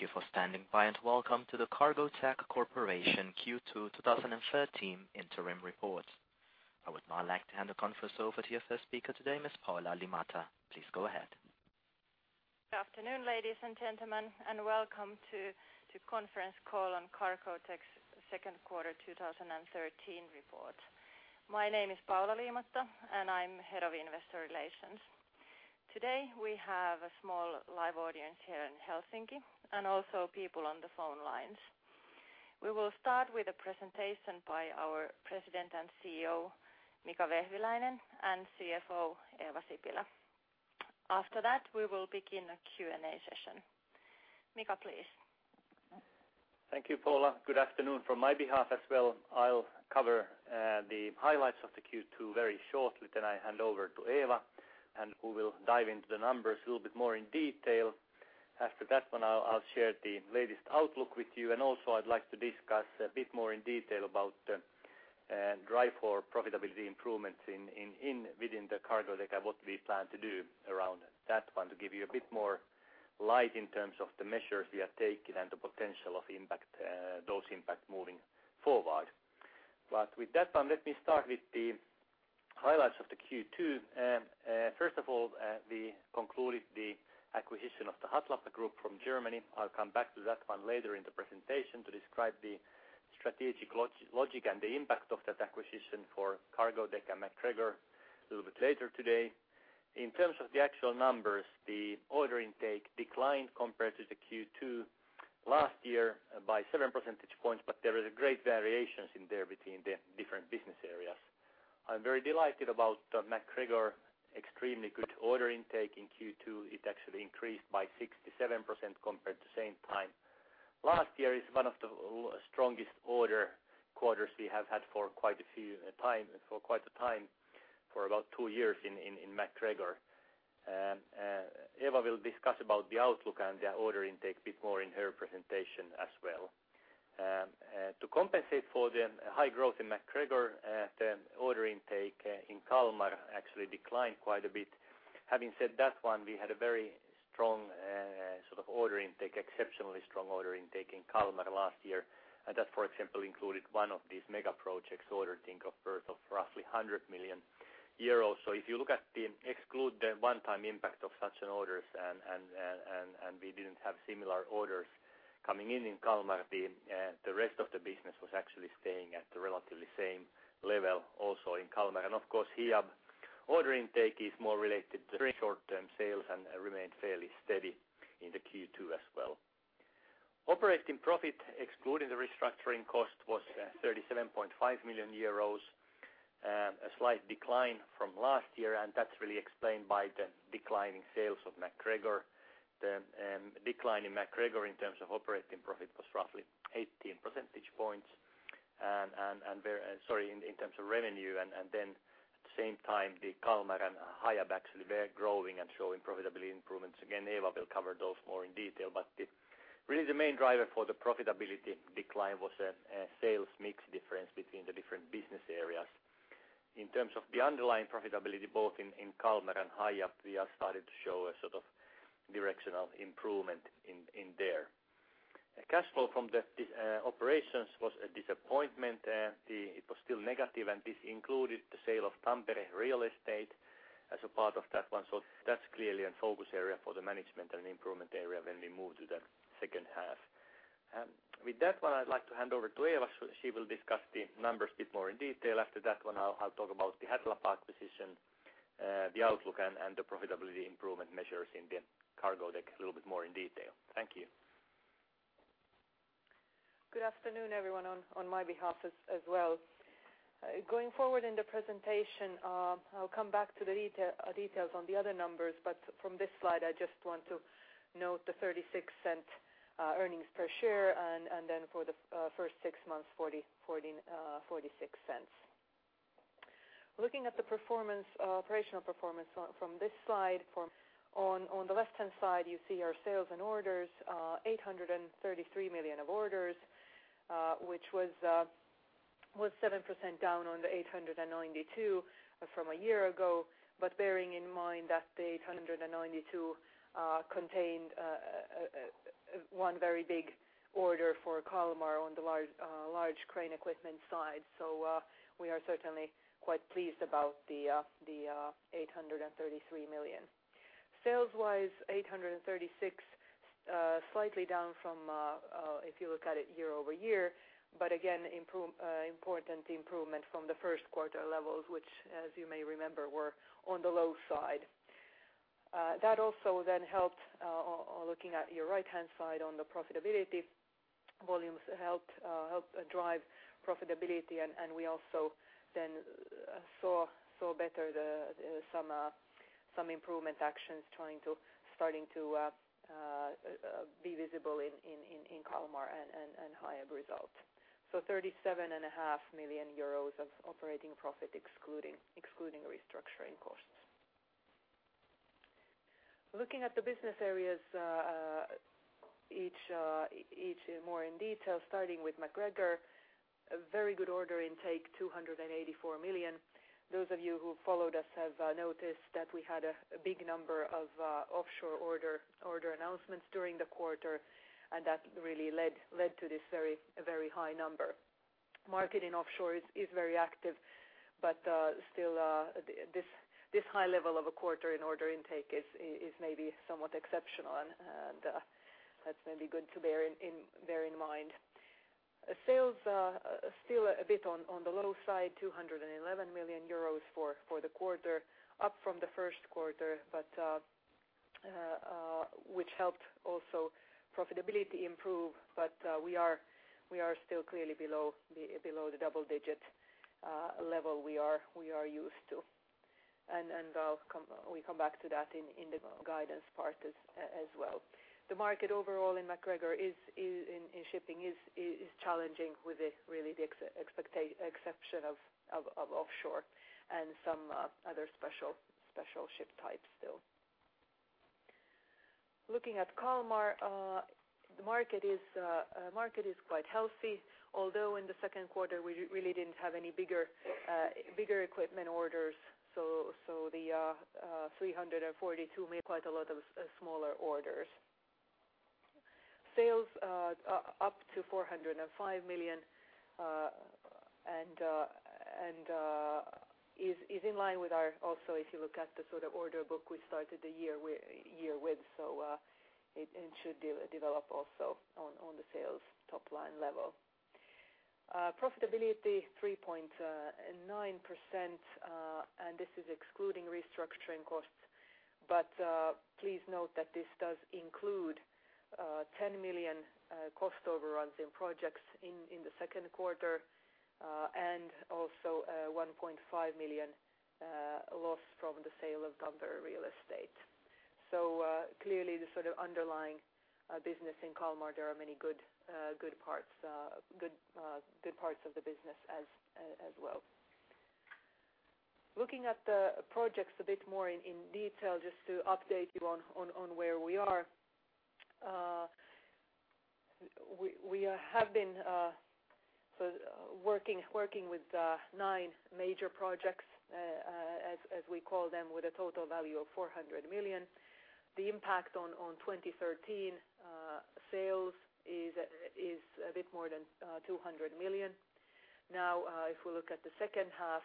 Thank you for standing by and welcome to the Cargotec Corporation Q2 2013 interim report. I would now like to hand the conference over to your first speaker today, Ms. Paula Liimatta. Please go ahead. Good afternoon, ladies and gentlemen, and welcome to conference call on Cargotec's second quarter 2013 report. My name is Paula Liimatta, and I'm Head of Investor Relations. Today, we have a small live audience here in Helsinki and also people on the phone lines. We will start with a presentation by our President and CEO, Mika Vehviläinen, and CFO, Eeva Sipilä. After that, we will begin a Q&A session. Mika, please. Thank you, Paula. Good afternoon from my behalf as well. I'll cover the highlights of the Q2 very shortly. I hand over to Eeva, and who will dive into the numbers a little bit more in detail. After that one, I'll share the latest outlook with you. Also I'd like to discuss a bit more in detail about drive for profitability improvements within Cargotec and what we plan to do around that one to give you a bit more light in terms of the measures we are taking and the potential of impact, those impact moving forward. With that one, let me start with the highlights of the Q2. First of all, we concluded the acquisition of the Hatlapa Group from Germany. I'll come back to that one later in the presentation to describe the strategic log-logic and the impact of that acquisition for Cargotec and MacGregor a little bit later today. In terms of the actual numbers, the order intake declined compared to the Q2 last year by 7 percentage points, but there is great variations in there between the different business areas. I'm very delighted about the MacGregor extremely good order intake in Q2. It actually increased by 67% compared to same time. Last year is one of the strongest order quarters we have had for quite a time, for about two years in MacGregor. Eeva will discuss about the outlook and the order intake a bit more in her presentation as well. To compensate for the high growth in MacGregor, the order intake in Kalmar actually declined quite a bit. Having said that one, we had a very strong sort of order intake, exceptionally strong order intake in Kalmar last year. That, for example, included one of these mega projects order worth of roughly 100 million euros. If you look at the exclude the one-time impact of such an orders and we didn't have similar orders coming in in Kalmar, the rest of the business was actually staying at the relatively same level also in Kalmar. Of course, Hiab order intake is more related to very short-term sales and remained fairly steady in the Q2 as well. Operating profit, excluding the restructuring cost, was 37.5 million euros. A slight decline from last year, and that's really explained by the declining sales of MacGregor. The decline in MacGregor in terms of operating profit was roughly eighteen percentage points. Sorry, in terms of revenue. Then at the same time, the Kalmar and Hiab actually were growing and showing profitability improvements. Again, Eeva will cover those more in detail. Really the main driver for the profitability decline was a sales mix difference between the different business areas. In terms of the underlying profitability, both in Kalmar and Hiab, we have started to show a sort of direction of improvement in there. Cash flow from the operations was a disappointment. It was still negative, and this included the sale of Tampere real estate as a part of that one. That's clearly a focus area for the management and improvement area when we move to the second half. With that one, I'd like to hand over to Eeva. She will discuss the numbers a bit more in detail. After that one, I'll talk about the Hatlapa acquisition, the outlook and the profitability improvement measures in the Cargotec a little bit more in detail. Thank you. Good afternoon, everyone on my behalf as well. Going forward in the presentation, I'll come back to the details on the other numbers. From this slide, I just want to note the 0.36 earnings per share and then for the first six months, 0.46. Looking at the performance, operational performance from this slide. On the left-hand side, you see our sales and orders, 833 million of orders, which was 7% down on the 892 million from a year ago. Bearing in mind that the 892 million contained one very big order for Kalmar on the large crane equipment side. We are certainly quite pleased about the 833 million. Sales-wise, 836 million, slightly down from if you look at it year-over-year, but again, important improvement from the first quarter levels, which as you may remember, were on the low side. That also then helped, looking at your right-hand side on the profitability volumes helped drive profitability and we also then saw better some improvement actions starting to be visible in Kalmar and Hiab results. 37.5 million euros of operating profit excluding restructuring costs. Looking at the business areas, each more in detail, starting with MacGregor, a very good order intake, 284 million. Those of you who followed us have noticed that we had a big number of offshore order announcements during the quarter, and that really led to this very, very high number. Market in offshore is very active, but still this high level of a quarter in order intake is maybe somewhat exceptional, and that's maybe good to bear in mind. Sales still a bit on the low side, 211 million euros for the quarter, up from the first quarter, but which helped also profitability improve, but we are still clearly below the double digit level we are used to. We come back to that in the guidance part as well. The market overall in MacGregor is in shipping is challenging with the really the exception of offshore and some other special ship types still. Looking at Kalmar, the market is market is quite healthy, although in the second quarter, we really didn't have any bigger equipment orders. The 342 made quite a lot of smaller orders. Sales up to 405 million and is in line with our also, if you look at the sort of order book we started the year with, it should develop also on the sales top line level. Profitability 3.9% and this is excluding restructuring costs. Please note that this does include 10 million cost overruns in projects in the second quarter, and also 1.5 million loss from the sale of Dunbar real estate. Clearly the sort of underlying business in Kalmar, there are many good parts, good parts of the business as well. Looking at the projects a bit more in detail, just to update you on where we are. We have been working with nine major projects, as we call them, with a total value of 400 million. The impact on 2013 sales is a bit more than 200 million. Now, if we look at the second half,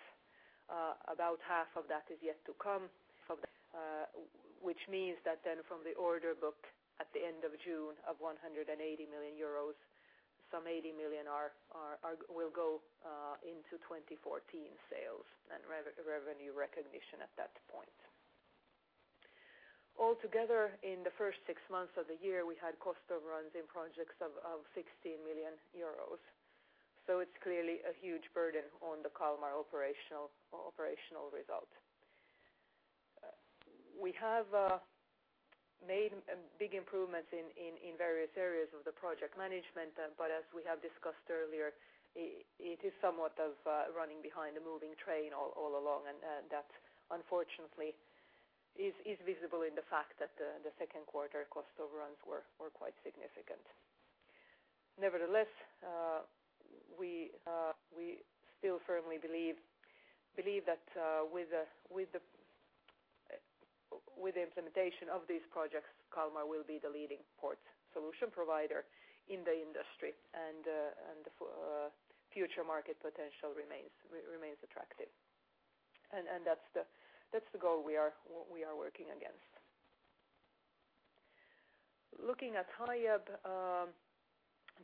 about half of that is yet to come from the, which means that then from the order book at the end of June of 180 million euros, some 80 million will go into 2014 sales and revenue recognition at that point. All together, in the first six months of the year, we had cost overruns in projects of 60 million euros. It's clearly a huge burden on the Kalmar operational result. We have made big improvements in various areas of the project management, but as we have discussed earlier, it is somewhat of running behind a moving train all along. That unfortunately is visible in the fact that the second quarter cost overruns were quite significant. Nevertheless, we still firmly believe that with the implementation of these projects, Kalmar will be the leading port solution provider in the industry and the future market potential remains attractive. That's the goal we are working against. Looking at Hiab,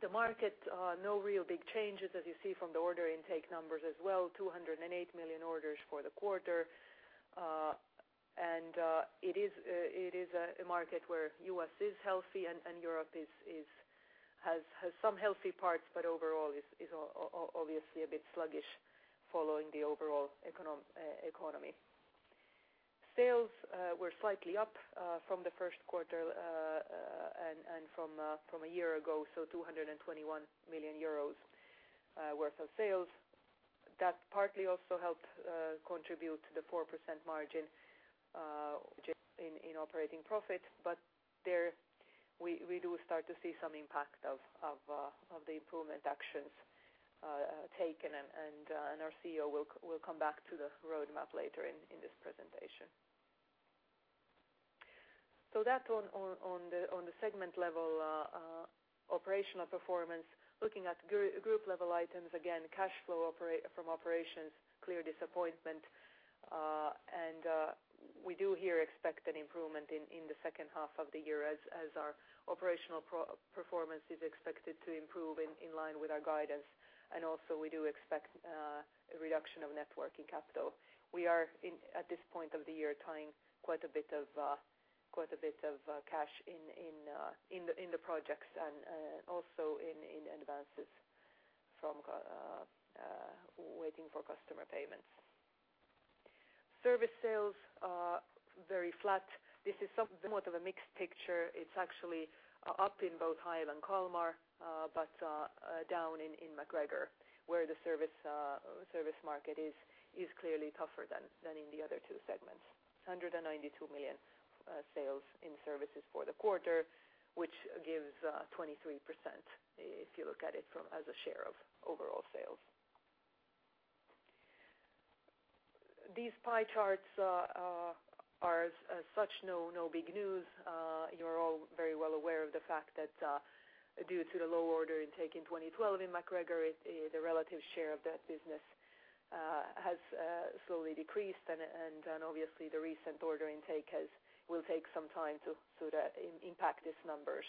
the market, no real big changes as you see from the order intake numbers as well, 208 million orders for the quarter. It is a market where U.S. is healthy and Europe has some healthy parts, but overall is obviously a bit sluggish following the overall economy. Sales were slightly up from the first quarter and from a year ago, so 221 million euros worth of sales. That partly also helped contribute to the 4% margin just in operating profit. There we do start to see some impact of the improvement actions taken and our CEO will come back to the roadmap later in this presentation. That on the segment level operational performance. Looking at group level items, again, cash flow from operations, clear disappointment. We do here expect an improvement in the second half of the year as our operational performance is expected to improve in line with our guidance. We do expect a reduction of net working capital. We are at this point of the year, tying quite a bit of cash in the projects and also in advances from waiting for customer payments. Service sales are very flat. This is somewhat of a mixed picture. It's actually up in both Hiab and Kalmar, but down in MacGregor, where the service market is clearly tougher than in the other two segments. 192 million sales in services for the quarter, which gives 23% if you look at it from, as a share of overall sales. These pie charts are as such no big news. You're all very well aware of the fact that, due to the low order intake in 2012 in MacGregor, the relative share of that business has slowly decreased. Obviously the recent order intake will take some time to, so that impact these numbers.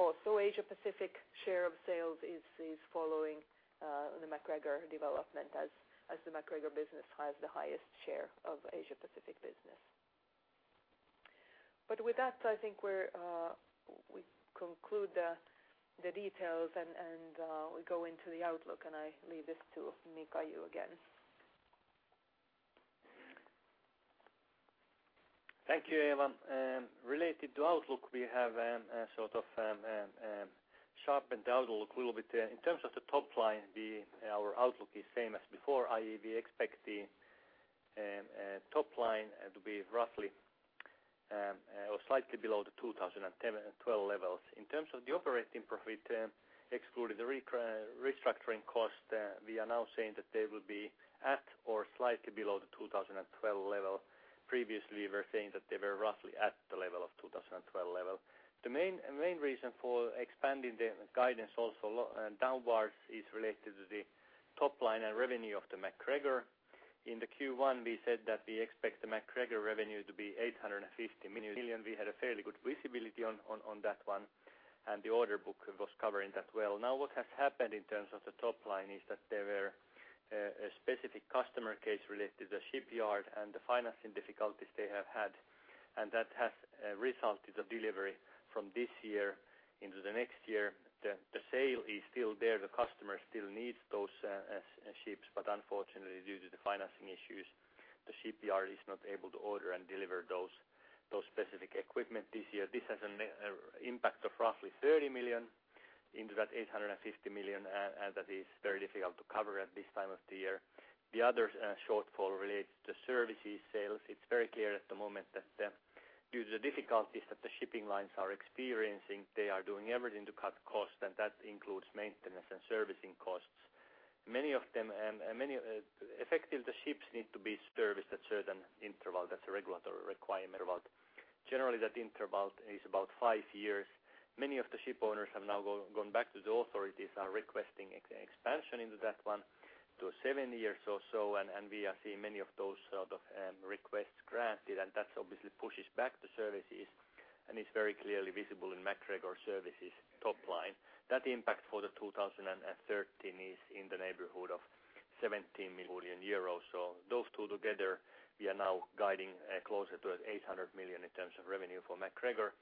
Also Asia Pacific share of sales is following the MacGregor development as the MacGregor business has the highest share of Asia Pacific business. With that, I think we're we conclude the details and we go into the outlook, and I leave this to Mika again. Thank you, Eeva. Related to outlook, we have a sort of sharpened the outlook a little bit. In terms of the top line, our outlook is same as before, i.e., we expect the top line to be roughly or slightly below the 2010 2012 levels. In terms of the operating profit, excluding the restructuring cost, we are now saying that they will be at or slightly below the 2012 level. Previously, we were saying that they were roughly at the level of 2012 level. The main reason for expanding the guidance also downwards is related to the top line and revenue of MacGregor. In the Q1, we said that we expect MacGregor revenue to be 850 million. We had a fairly good visibility on that one, and the order book was covering that well. What has happened in terms of the top line is that there were a specific customer case related to shipyard and the financing difficulties they have had, and that has resulted a delivery from this year into the next year. The sale is still there. The customer still needs those ships. Unfortunately, due to the financing issues, the shipyard is not able to order and deliver those specific equipment this year. This has an impact of roughly 30 million into that 850 million, and that is very difficult to cover at this time of the year. The other shortfall relates to services sales. It's very clear at the moment that, due to the difficulties that the shipping lines are experiencing, they are doing everything to cut costs, and that includes maintenance and servicing costs. Many of them, the ships need to be serviced at certain interval. That's a regulatory requirement. Generally that interval is about 5 years. Many of the ship owners have now gone back to the authorities are requesting expansion into that one to seven years or so, we are seeing many of those sort of requests granted. That obviously pushes back the services and is very clearly visible in MacGregor services top line. That impact for the 2013 is in the neighborhood of 17 million euros. Those two together, we are now guiding closer to 800 million in terms of revenue for MacGregor.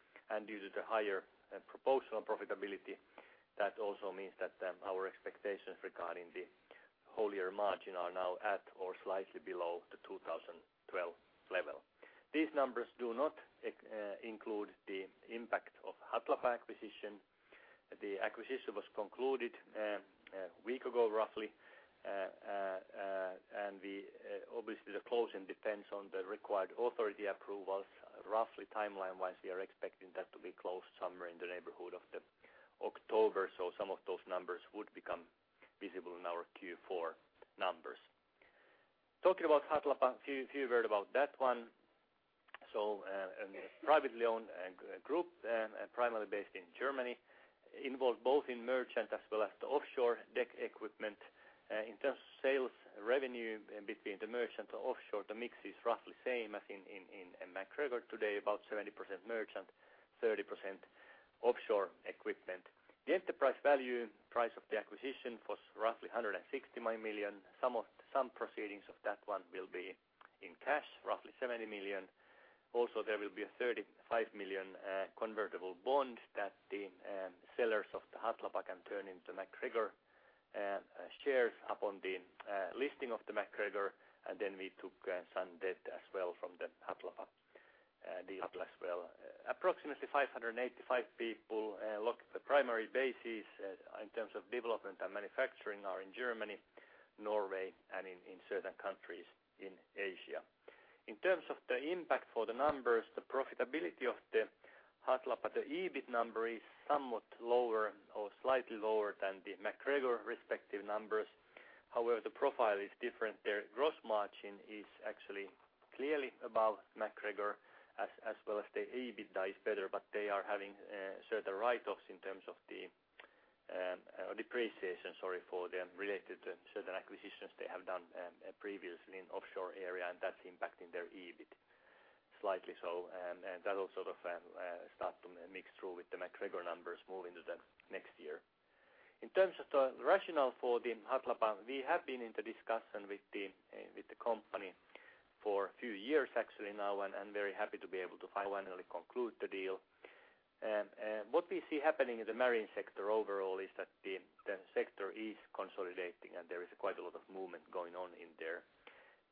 Due to the higher proposal profitability, that also means that our expectations regarding the whole year margin are now at or slightly below the 2012 level. These numbers do not include the impact of Hatlapa acquisition. The acquisition was concluded a week ago roughly. Obviously the closing depends on the required authority approvals. Roughly timeline-wise, we are expecting that to be closed somewhere in the neighborhood of October. Some of those numbers would become visible in our Q4 numbers. Talking about Hatlapa, few word about that one. Privately owned group primarily based in Germany, involved both in merchant as well as the offshore deck equipment. In terms of sales revenue between the merchant or offshore, the mix is roughly same as in MacGregor today, about 70% merchant, 30% offshore equipment. The enterprise value, price of the acquisition was roughly 160 million. Some proceedings of that one will be in cash, roughly 70 million. There will be a 35 million convertible bond that the sellers of the Hatlapa can turn into MacGregor shares upon the listing of the MacGregor. We took some debt as well from the Hatlapa deal as well. Approximately 585 people, look, the primary bases in terms of development and manufacturing are in Germany, Norway, and in certain countries in Asia. In terms of the impact for the numbers, the profitability of the Hatlapa, the EBITDA number is somewhat lower or slightly lower than the MacGregor respective numbers. However, the profile is different. Their gross margin is actually clearly above MacGregor as well as the EBITDA is better, but they are having certain write-offs in terms of the depreciation, sorry, for the related certain acquisitions they have done previously in offshore area, and that's impacting their EBITDA slightly so. That will sort of start to mix through with the MacGregor numbers moving to the next year. In terms of the rationale for the Hatlapa, we have been in the discussion with the company for a few years actually now, and very happy to be able to finally conclude the deal. What we see happening in the marine sector overall is that the sector is consolidating, and there is quite a lot of movement going on in there.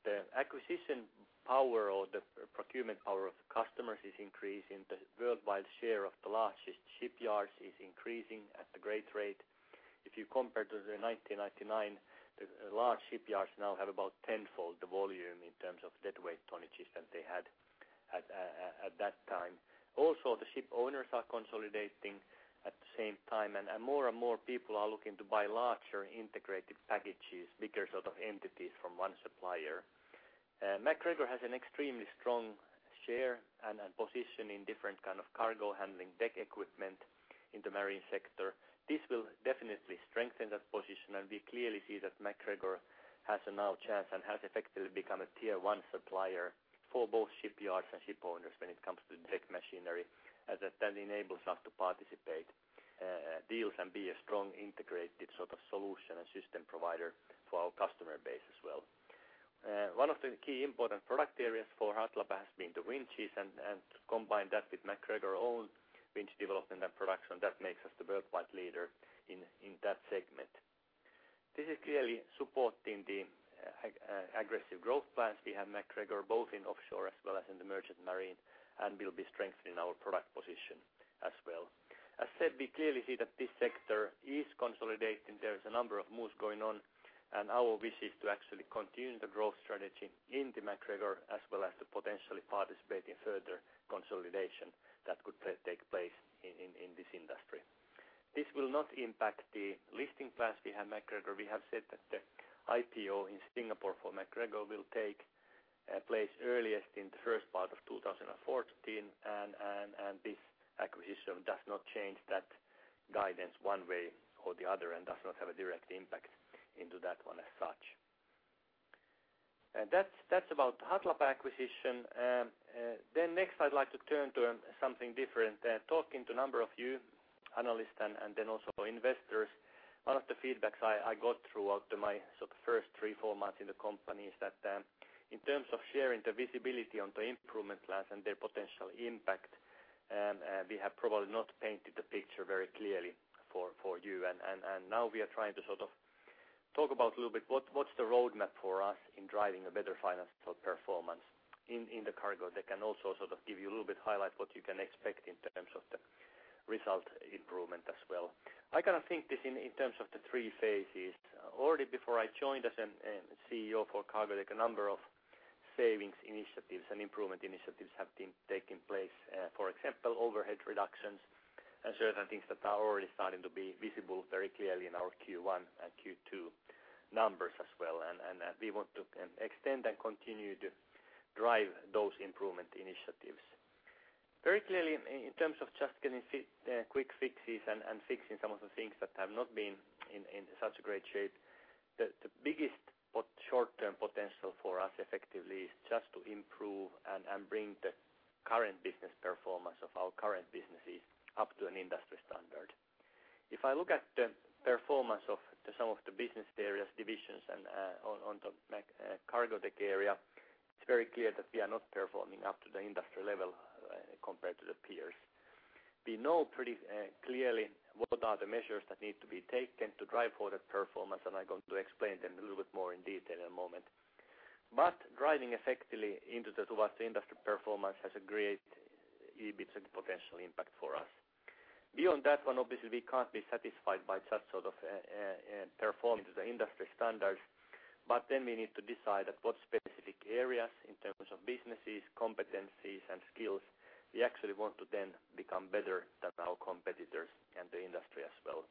The acquisition power or the procurement power of customers is increasing. The worldwide share of the largest shipyards is increasing at a great rate. If you compare to the 1999, the large shipyards now have about tenfold the volume in terms of deadweight tonnages than they had at that time. Also, the ship owners are consolidating at the same time, and more and more people are looking to buy larger integrated packages, bigger sort of entities from one supplier. MacGregor has an extremely strong share and position in different kind of cargo handling deck equipment in the marine sector. This will definitely strengthen that position. We clearly see that MacGregor has a now chance and has effectively become a tier one supplier for both shipyards and ship owners when it comes to deck machinery, as that then enables us to participate, deals and be a strong integrated sort of solution and system provider for our customer base as well. One of the key important product areas for Hatlapa has been the winches and combine that with MacGregor own winch development and production. That makes us the worldwide leader in that segment. This is clearly supporting the aggressive growth plans we have MacGregor both in offshore as well as in the merchant marine. Will be strengthening our product position as well. As said, we clearly see that this sector is consolidating. There is a number of moves going on, and our wish is to actually continue the growth strategy in the MacGregor, as well as to potentially participate in further consolidation that could take place in this industry. This will not impact the listing plans we have MacGregor. We have said that the IPO in Singapore for MacGregor will take place earliest in the first part of 2014. This acquisition does not change that guidance one way or the other and does not have a direct impact into that one as such. That's about Hatlapa acquisition. Next, I'd like to turn to something different. Talking to a number of you analysts and then also investors, one of the feedbacks I got throughout my sort of first three, four months in the company is that, in terms of sharing the visibility on the improvement plans and their potential impact, we have probably not painted the picture very clearly for you. Now we are trying to sort of talk about a little bit what's the roadmap for us in driving a better financial performance in the Cargotec. Also sort of give you a little bit highlight what you can expect in terms of the result improvement as well. I kind of think this in terms of the three phases. Already before I joined as an CEO for Cargotec, a number of savings initiatives and improvement initiatives have been taking place. For example, overhead reductions and certain things that are already starting to be visible very clearly in our Q1 and Q2 numbers as well. We want to extend and continue to drive those improvement initiatives. Very clearly in terms of just getting quick fixes and fixing some of the things that have not been in such great shape, the biggest short-term potential for us effectively is just to improve and bring the current business performance of our current businesses up to an industry standard. If I look at the performance of some of the business areas, divisions and on the Mac, Cargotec area, it's very clear that we are not performing up to the industry level compared to the peers. We know pretty clearly what are the measures that need to be taken to drive for that performance, I'm going to explain them a little bit more in detail in a moment. Driving effectively towards the industry performance has a great EBITDA potential impact for us. Beyond that one, obviously, we can't be satisfied by just performing to the industry standards. We need to decide at what specific areas in terms of businesses, competencies, and skills we actually want to then become better than our competitors and the industry as well.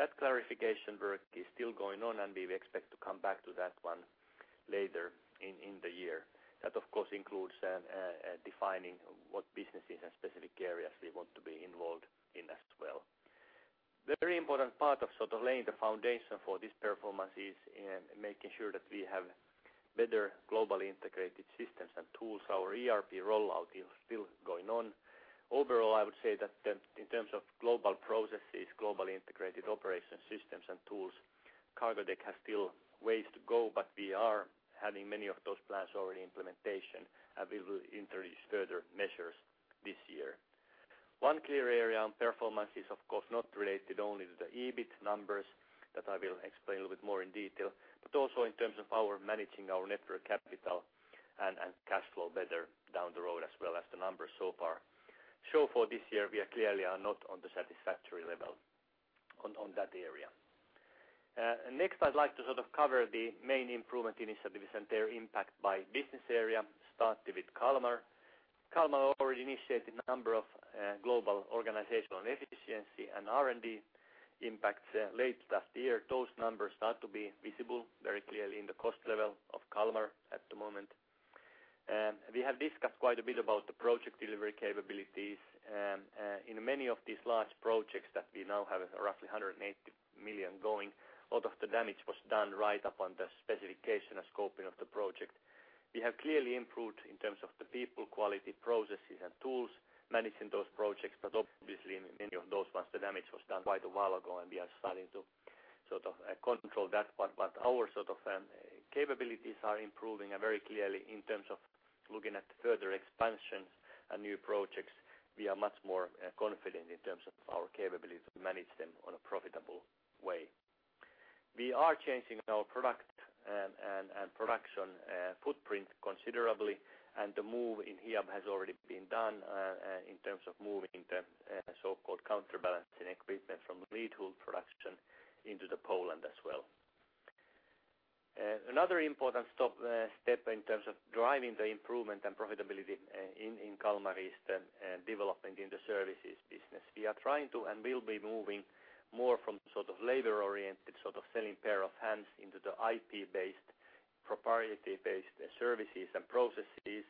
That clarification work is still going on, and we expect to come back to that one later in the year. That, of course, includes defining what businesses and specific areas we want to be involved in as well. Very important part of sort of laying the foundation for this performance is in making sure that we have better globally integrated systems and tools. Our ERP rollout is still going on. Overall, I would say that the, in terms of global processes, globally integrated operation systems and tools, Cargotec has still ways to go. We are having many of those plans already implementation, and we will introduce further measures this year. One clear area on performance is, of course, not related only to the EBITDA numbers that I will explain a little bit more in detail, but also in terms of our managing our net working capital and cash flow better down the road as well as the numbers so far show for this year we clearly are not on the satisfactory level on that area. Next I'd like to sort of cover the main improvement initiatives and their impact by business area, starting with Kalmar. Kalmar already initiated a number of global organizational efficiency and R&D impacts late last year. Those numbers start to be visible very clearly in the cost level of Kalmar at the moment. We have discussed quite a bit about the project delivery capabilities. In many of these large projects that we now have roughly 180 million going, a lot of the damage was done right up on the specification and scoping of the project. We have clearly improved in terms of the people, quality, processes, and tools managing those projects. Obviously in many of those ones, the damage was done quite a while ago, and we are starting to sort of control that part. Our sort of capabilities are improving very clearly in terms of looking at further expansion and new projects. We are much more confident in terms of our capability to manage them on a profitable way. We are changing our product and production footprint considerably, and the move in Hiab has already been done in terms of moving the so-called counterbalancing equipment from Lidhult production into Poland as well. Another important step in terms of driving the improvement and profitability in Kalmar is the development in the services business. We are trying to, and will be moving more from sort of labor-oriented, sort of selling pair of hands into the IP based, proprietary based services and processes.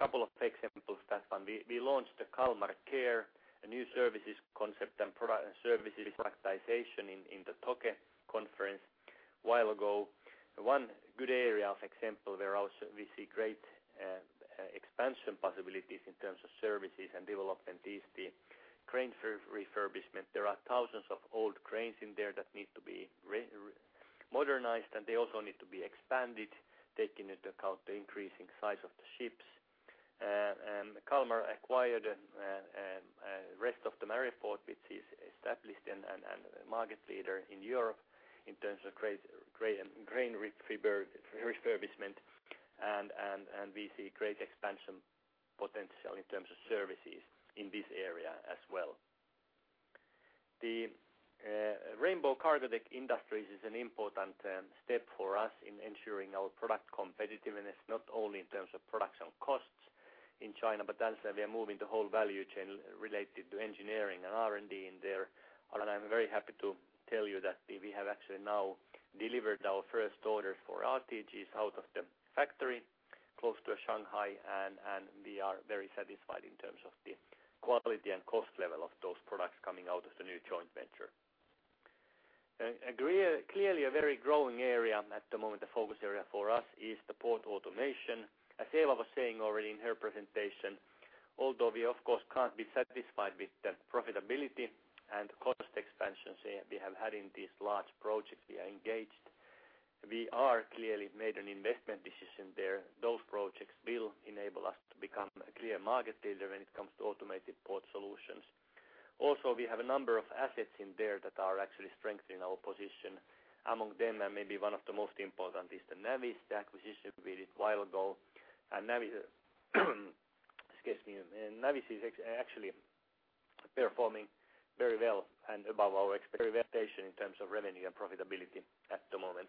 Couple of examples that when we launched the Kalmar Care, a new services concept and product and services productization in the TOC conference a while ago. One good area of example where also we see great expansion possibilities in terms of services and development is the crane refurbishment. There are thousands of old cranes in there that need to be modernized, and they also need to be expanded, taking into account the increasing size of the ships. Kalmar acquired rest of the Mareiport, S.A., which is established and market leader in Europe in terms of crane refurbishment. We see great expansion potential in terms of services in this area as well. The Rainbow-Cargotec Industries is an important step for us in ensuring our product competitiveness, not only in terms of production costs in China, but also we are moving the whole value chain related to engineering and R&D in there. I'm very happy to tell you that we have actually now delivered our first orders for RTGs out of the factory close to Shanghai. We are very satisfied in terms of the quality and cost level of those products coming out of the new joint venture. Clearly a very growing area at the moment, the focus area for us is the port automation. As Eeva was saying already in her presentation, although we of course can't be satisfied with the profitability and cost expansions we have had in these large projects we are engaged. We are clearly made an investment decision there. Those projects will enable us to become a clear market leader when it comes to automated port solutions. We have a number of assets in there that are actually strengthening our position. Among them, and maybe one of the most important is the Navis acquisition we did a while ago. Navis is actually performing very well and above our expectation in terms of revenue and profitability at the moment.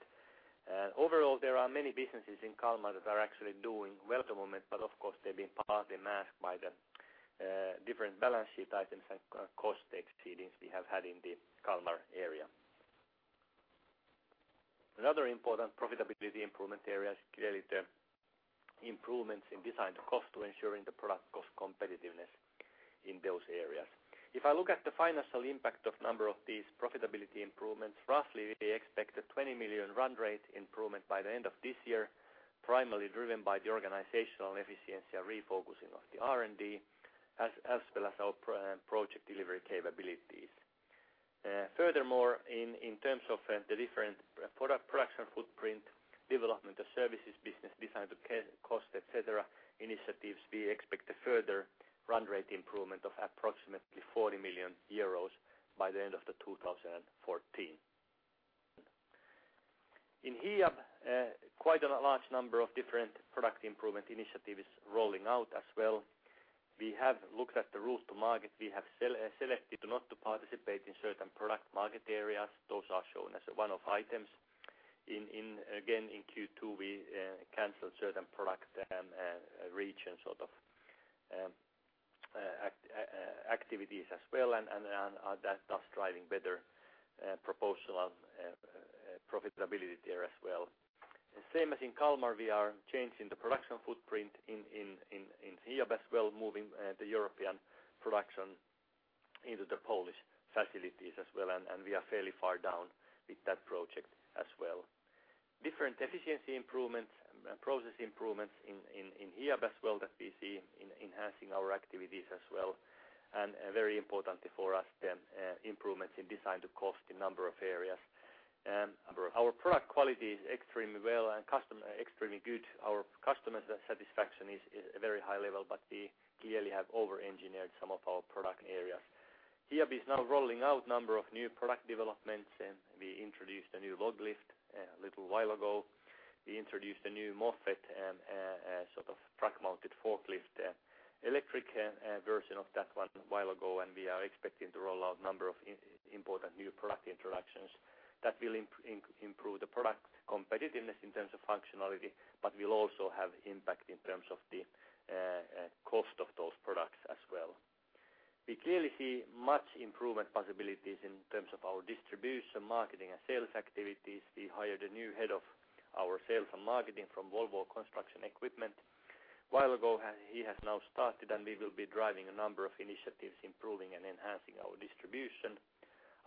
Overall, there are many businesses in Kalmar that are actually doing well at the moment, but of course, they've been partly masked by the different balance sheet items and cost exceedings we have had in the Kalmar area. Another important profitability improvement area is clearly the improvements in design to cost, to ensuring the product cost competitiveness in those areas. If I look at the financial impact of number of these profitability improvements, roughly we expect a 20 million run rate improvement by the end of this year, primarily driven by the organizational efficiency and refocusing of the R&D, as well as our project delivery capabilities. Furthermore, in terms of the different product production footprint, development of services business, design to cost, et cetera, initiatives, we expect a further run rate improvement of approximately 40 million euros by the end of 2014. In Hiab, quite a large number of different product improvement initiatives rolling out as well. We have looked at the rules to market. We have selected not to participate in certain product market areas. Those are shown as one of items. In again, in Q2, we canceled certain product, region sort of, activities as well, and thus driving better proposal profitability there as well. The same as in Kalmar, we are changing the production footprint in Hiab as well, moving the European production into the Polish facilities as well. We are fairly far down with that project as well. Different efficiency improvements, process improvements in Hiab as well that we see enhancing our activities as well. Very importantly for us, the improvements in design to cost in number of areas. Our product quality is extremely well and extremely good. Our customers' satisfaction is a very high level, but we clearly have over-engineered some of our product areas. Hiab is now rolling out number of new product developments. We introduced a new LOGLIFT a little while ago. We introduced a new MOFFETT, sort of truck-mounted forklift, electric version of that one a while ago. We are expecting to roll out number of important new product introductions that will improve the product competitiveness in terms of functionality, but will also have impact in terms of the cost of those products as well. We clearly see much improvement possibilities in terms of our distribution, marketing and sales activities. We hired a new head of our sales and marketing from Volvo Construction Equipment a while ago. He has now started, we will be driving a number of initiatives, improving and enhancing our distribution,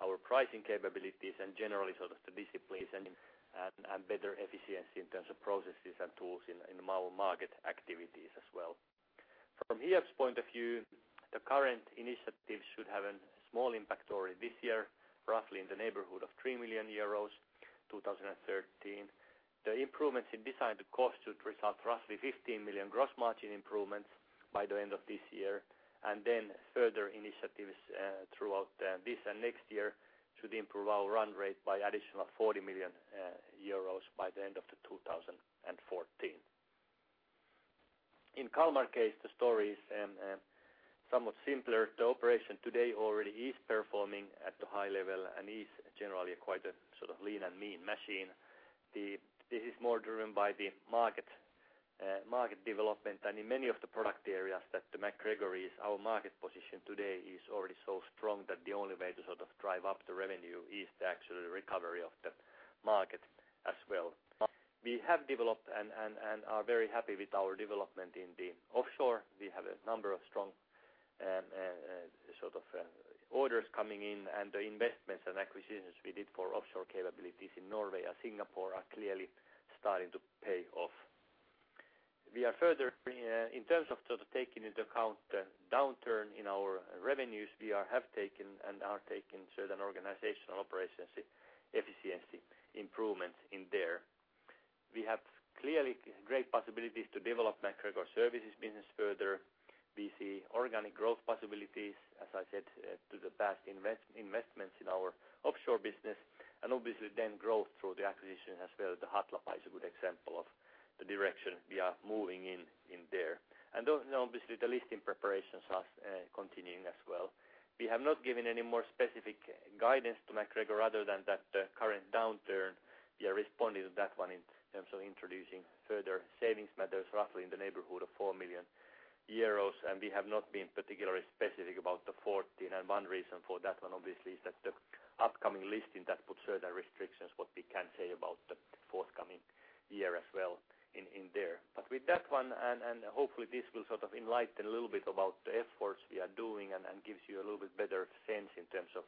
our pricing capabilities, and generally sort of the disciplines and better efficiency in terms of processes and tools in our market activities as well. From Hiab's point of view, the current initiatives should have a small impact already this year, roughly in the neighborhood of 3 million euros, 2013. The improvements in design to cost should result roughly 15 million gross margin improvements by the end of this year. Further initiatives throughout this and next year should improve our run rate by additional 40 million euros by the end of 2014. In Kalmar case, the story is somewhat simpler. The operation today already is performing at a high level and is generally quite a sort of lean and mean machine. This is more driven by the market development. In many of the product areas that the MacGregor is our market position today is already so strong that the only way to sort of drive up the revenue is the actual recovery of the market as well. We have developed and are very happy with our development in the offshore. We have a number of strong orders coming in, and the investments and acquisitions we did for offshore capabilities in Norway and Singapore are clearly starting to pay off. We are further in terms of sort of taking into account the downturn in our revenues, we have taken and are taking certain organizational operations efficiency improvements in there. We have clearly great possibilities to develop MacGregor Services business further. We see organic growth possibilities, as I said, to the past investments in our offshore business, and obviously then growth through the acquisition as well. The Hatlapa is a good example of the direction we are moving in there. Those are obviously the listing preparations are continuing as well. We have not given any more specific guidance to MacGregor other than that the current downturn, we are responding to that one in terms of introducing further savings measures, roughly in the neighborhood of 4 million euros. We have not been particularly specific about the 14. One reason for that one, obviously, is that the upcoming listing that puts certain restrictions, what we can say about the forthcoming year as well in there. With that one, and hopefully this will sort of enlighten a little bit about the efforts we are doing and gives you a little bit better sense in terms of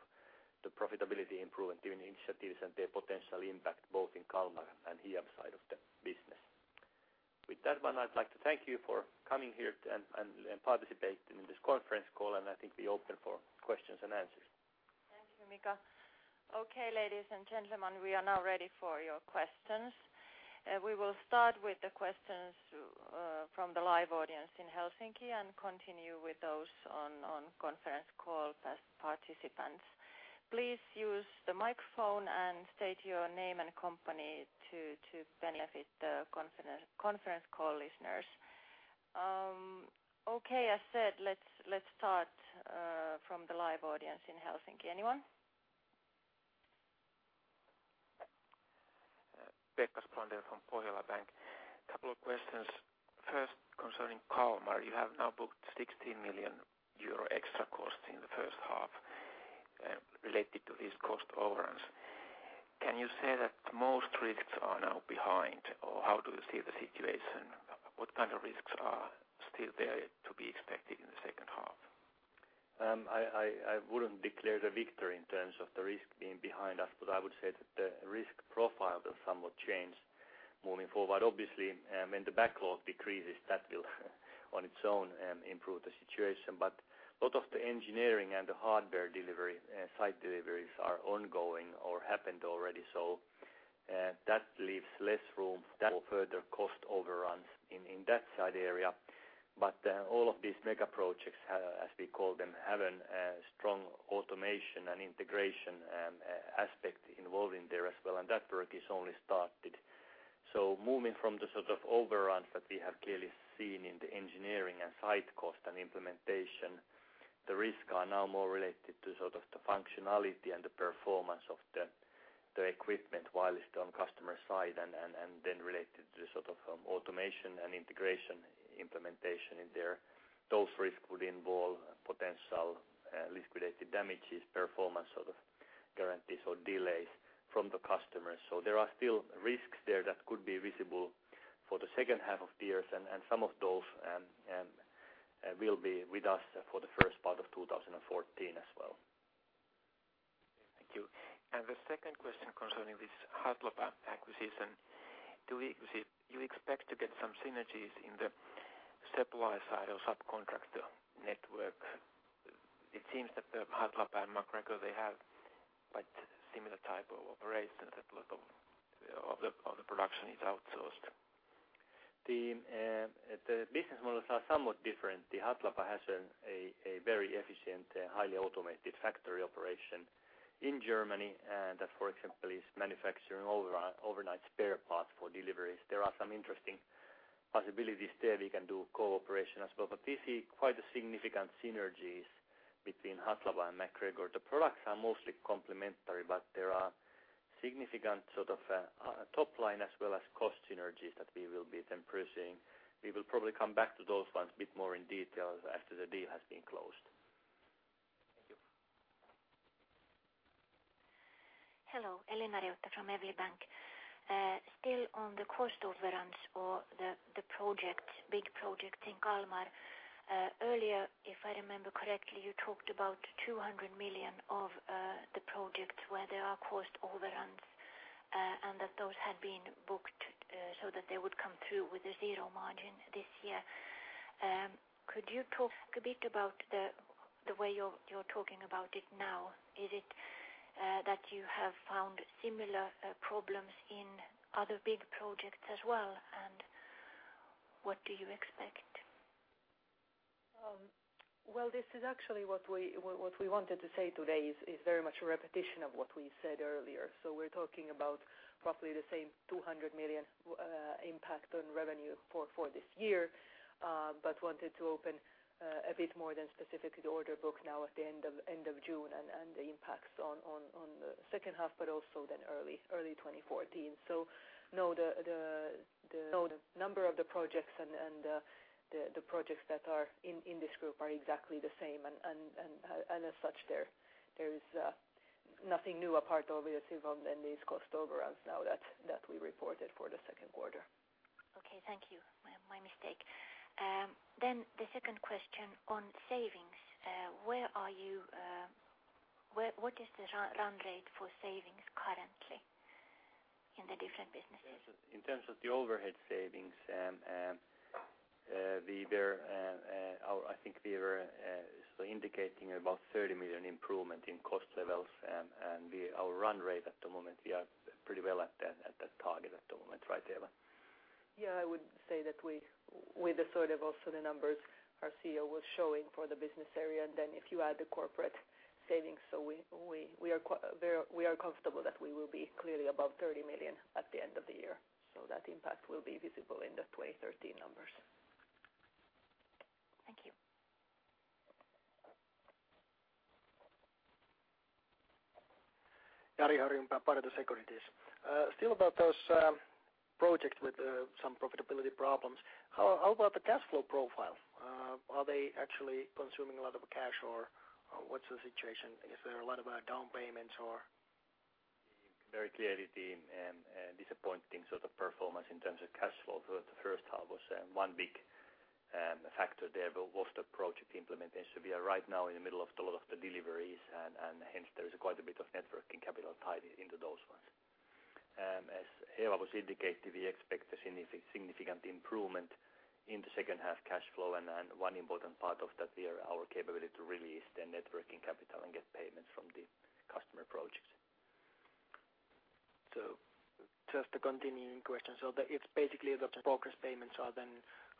the profitability improvement during initiatives and their potential impact, both in Kalmar and Heber side of the business. With that one, I'd like to thank you for coming here to and participate in this conference call, and I think we open for questions and answers. Thank you, Mika. Okay, ladies and gentlemen, we are now ready for your questions. We will start with the questions from the live audience in Helsinki and continue with those on conference call as participants. Please use the microphone and state your name and company to benefit the conference call listeners. Okay, as said, let's start from the live audience in Helsinki. Anyone? Pekka Spåre from Pohjola Bank. Couple of questions. First, concerning Kalmar, you have now booked 60 million euro extra costs in the first half related to these cost overruns. Can you say that most risks are now behind, or how do you see the situation? What kind of risks are still there to be expected in the second half? I wouldn't declare the victory in terms of the risk being behind us, but I would say that the risk profile will somewhat change moving forward. Obviously, when the backlog decreases, that will on its own, improve the situation. A lot of the engineering and the hardware delivery, site deliveries are ongoing or happened already. That leaves less room for further cost overruns in that side area. All of these mega projects, as we call them, have a strong automation and integration aspect involving there as well, and that work is only started. Moving from the sort of overruns that we have clearly seen in the engineering and site cost and implementation, the risk are now more related to sort of the functionality and the performance of the equipment whilst on customer side and then related to the sort of automation and integration implementation in there. Those risks would involve potential liquidated damages, performance sort of guarantees or delays from the customers. There are still risks there that could be visible for the second half of the years and some of those will be with us for the first part of 2014 as well. Thank you. The second question concerning this Hatlapa acquisition, do you expect to get some synergies in the supplier side or subcontractor network? It seems that the Hatlapa and MacGregor, they have quite similar type of operations, a lot of the production is outsourced. The business models are somewhat different. Hatlapa has a very efficient, highly automated factory operation in Germany, and that, for example, is manufacturing overnight spare parts for deliveries. There are some interesting possibilities there. We can do cooperation as well. We see quite a significant synergies between Hatlapa and MacGregor. The products are mostly complementary. There are significant sort of top line as well as cost synergies that we will be then pursuing. We will probably come back to those ones a bit more in detail after the deal has been closed. Thank you. Hello, Eino-Antti kansanen from SEB Bank. Still on the cost overruns or the project, big project in Kalmar. Earlier, if I remember correctly, you talked about 200 million of the project where there are cost overruns, and that those had been booked so that they would come through with a 0% margin this year. Could you talk a bit about the way you're talking about it now? Is it that you have found similar problems in other big projects as well, and what do you expect? Well, this is actually what we wanted to say today is very much a repetition of what we said earlier. We're talking about roughly the same 200 million impact on revenue for this year. Wanted to open a bit more than specifically the order book now at the end of June and the impacts on the second half, but also early 2014. No, the number of the projects and the projects that are in this group are exactly the same. As such there is nothing new apart obviously from then these cost overruns now that we reported for the second quarter. Okay. Thank you. My mistake. The second question on savings, where are you, where, what is the run rate for savings currently in the different businesses? In terms of the overhead savings, I think we were indicating about 30 million improvement in cost levels. Our run rate at the moment, we are pretty well at that target at the moment, right, Eeva? I would say that we, with the sort of also the numbers our CEO was showing for the business area, and then if you add the corporate savings, we are very comfortable that we will be clearly above 30 million at the end of the year. That impact will be visible in the 2013 numbers. Thank you. Jari Harjunpää, Nordea Securities. Still about those projects with some profitability problems. How about the cash flow profile? Are they actually consuming a lot of cash, or what's the situation? Is there a lot of down payments or? Very clearly the disappointing sort of performance in terms of cash flow for the first half was one big factor there was the project implementation. We are right now in the middle of a lot of the deliveries, and hence there is quite a bit of net working capital tied into those ones. As Eeva was indicating, we expect a significant improvement in the second half cash flow. One important part of that we are our capability to release the net working capital and get payments from the customer projects. Just to continue in question, it's basically the progress payments are then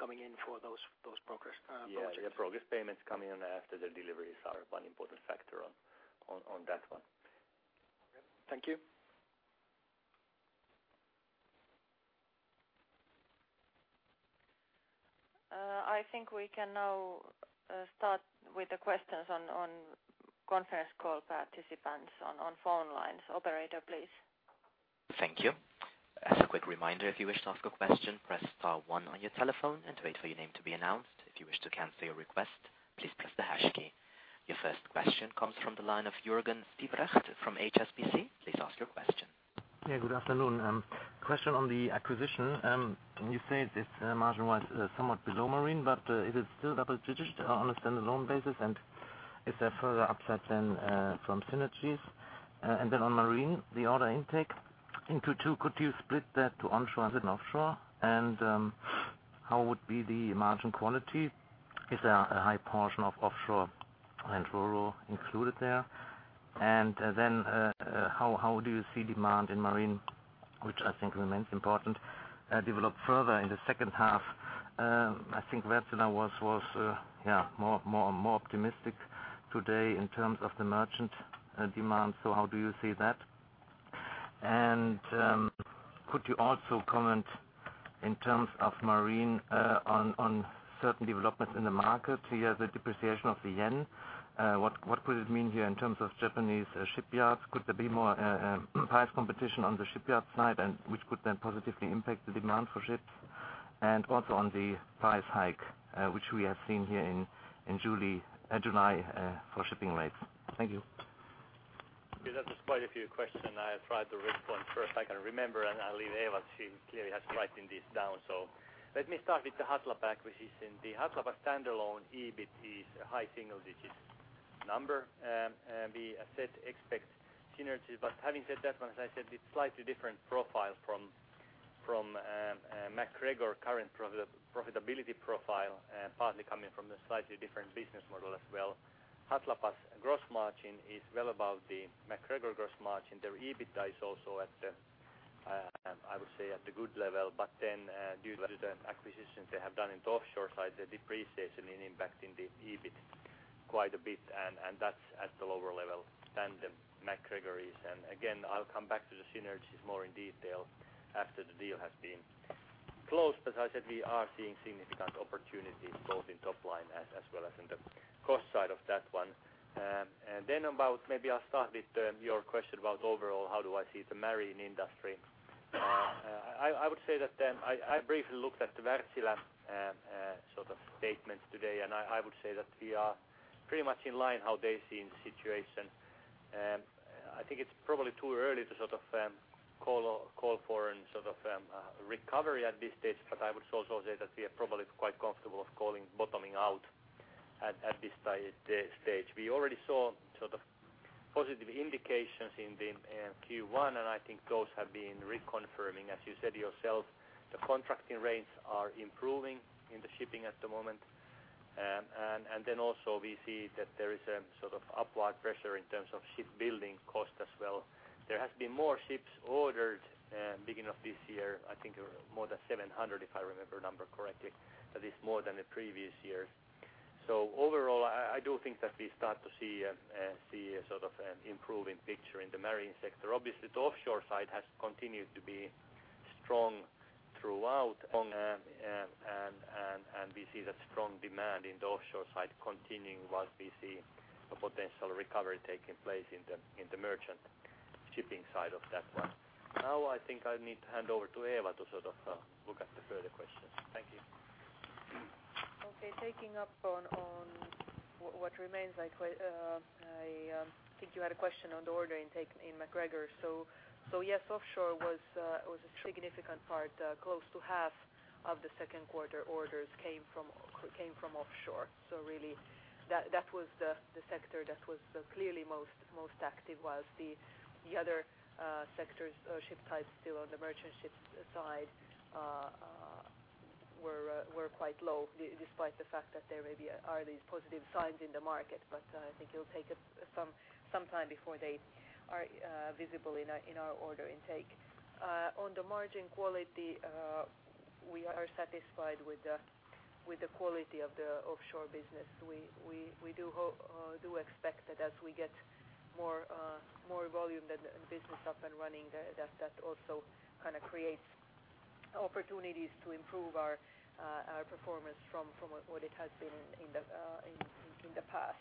coming in for those progress projects. Yeah. The progress payments coming in after the deliveries are one important factor on that one. Okay. Thank you. I think we can now start with the questions on conference call participants on phone lines. Operator, please. Thank you. As a quick reminder, if you wish to ask a question, press star one on your telephone and wait for your name to be announced. If you wish to cancel your request, please press the hash key. Your first question comes from the line of Jurgen Doldersum from HSBC. Please ask your question. Good afternoon. Question on the acquisition. You say this margin was somewhat below marine, it is still double digits on a standalone basis, and is there further upside from synergies? On marine, the order intake, and could you split that to onshore and then offshore? How would be the margin quality? Is there a high portion of offshore and rural included there? How do you see demand in marine, which I think remains important, develop further in the second half? I think Wärtsilä was more optimistic today in terms of the merchant demand. How do you see that? Could you also comment in terms of marine, on certain developments in the market here, the depreciation of the yen? What could it mean here in terms of Japanese shipyards? Could there be more price competition on the shipyard side and which could then positively impact the demand for ships? Also, on the price hike which we have seen here in July for shipping rates? Thank you. Yeah. That was quite a few question. I'll try to respond first I can remember, and I'll leave Eeva. She clearly has written this down. Let me start with the Hatlapa acquisition. The Hatlapa standalone EBIT is a high single digit number. And we, as said, expect synergies. Having said that one, as I said, it's slightly different profile from, MacGregor current profitability profile, partly coming from the slightly different business model as well. Hatlapa's gross margin is well above the MacGregor gross margin. Their EBITDA is also at, I would say at a good level. Then, due to the acquisitions they have done in the offshore side, the depreciation in impacting the EBITDA quite a bit, and that's at a lower level than the MacGregor is. Again, I'll come back to the synergies more in detail after the deal has been closed. As I said, we are seeing significant opportunities both in top line as well as in the cost side of that one. About maybe I'll start with your question about overall, how do I see the marine industry? I would say that I briefly looked at the Wärtsilä sort of statements today, and I would say that we are pretty much in line how they see the situation. I think it's probably too early to sort of call for an sort of recovery at this stage, but I would also say that we are probably quite comfortable of calling bottoming out at this stage. We already saw sort of positive indications in the Q1, and I think those have been reconfirming. As you said yourself, the contracting rates are improving in the shipping at the moment. Also we see that there is a sort of upward pressure in terms of shipbuilding cost as well. There has been more ships ordered beginning of this year, I think more than 700, if I remember number correctly. That is more than the previous year. Overall, I do think that we start to see a sort of an improving picture in the marine sector. Obviously, the offshore side has continued to be strong throughout. We see that strong demand in the offshore side continuing whilst we see a potential recovery taking place in the merchant shipping side of that one. I think I need to hand over to Eeva to sort of look at the further questions. Thank you. Okay. Taking up on what remains, I think you had a question on the order intake in MacGregor. Yes, offshore was a significant part. Close to half of the second quarter orders came from offshore. Really that was the sector that was clearly most active, whilst the other sectors or ship types still on the merchant ships side were quite low despite the fact that there may be these positive signs in the market. I think it'll take some time before they are visible in our order intake. On the margin quality, we are satisfied with the quality of the offshore business. We do expect that as we get more volume than the business up and running, that also kind of creates opportunities to improve our performance from what it has been in the past.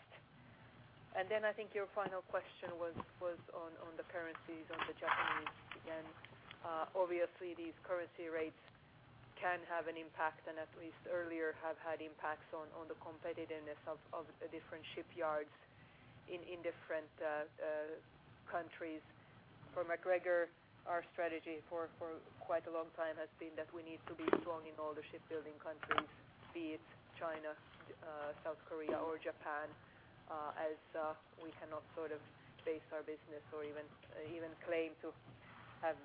I think your final question was on the currencies on the Japanese Yen. Obviously these currency rates can have an impact, and at least earlier have had impacts on the competitiveness of the different shipyards in different countries. For MacGregor, our strategy for quite a long time has been that we need to be strong in all the shipbuilding countries, be it China, South Korea or Japan, as we cannot sort of base our business or even claim to have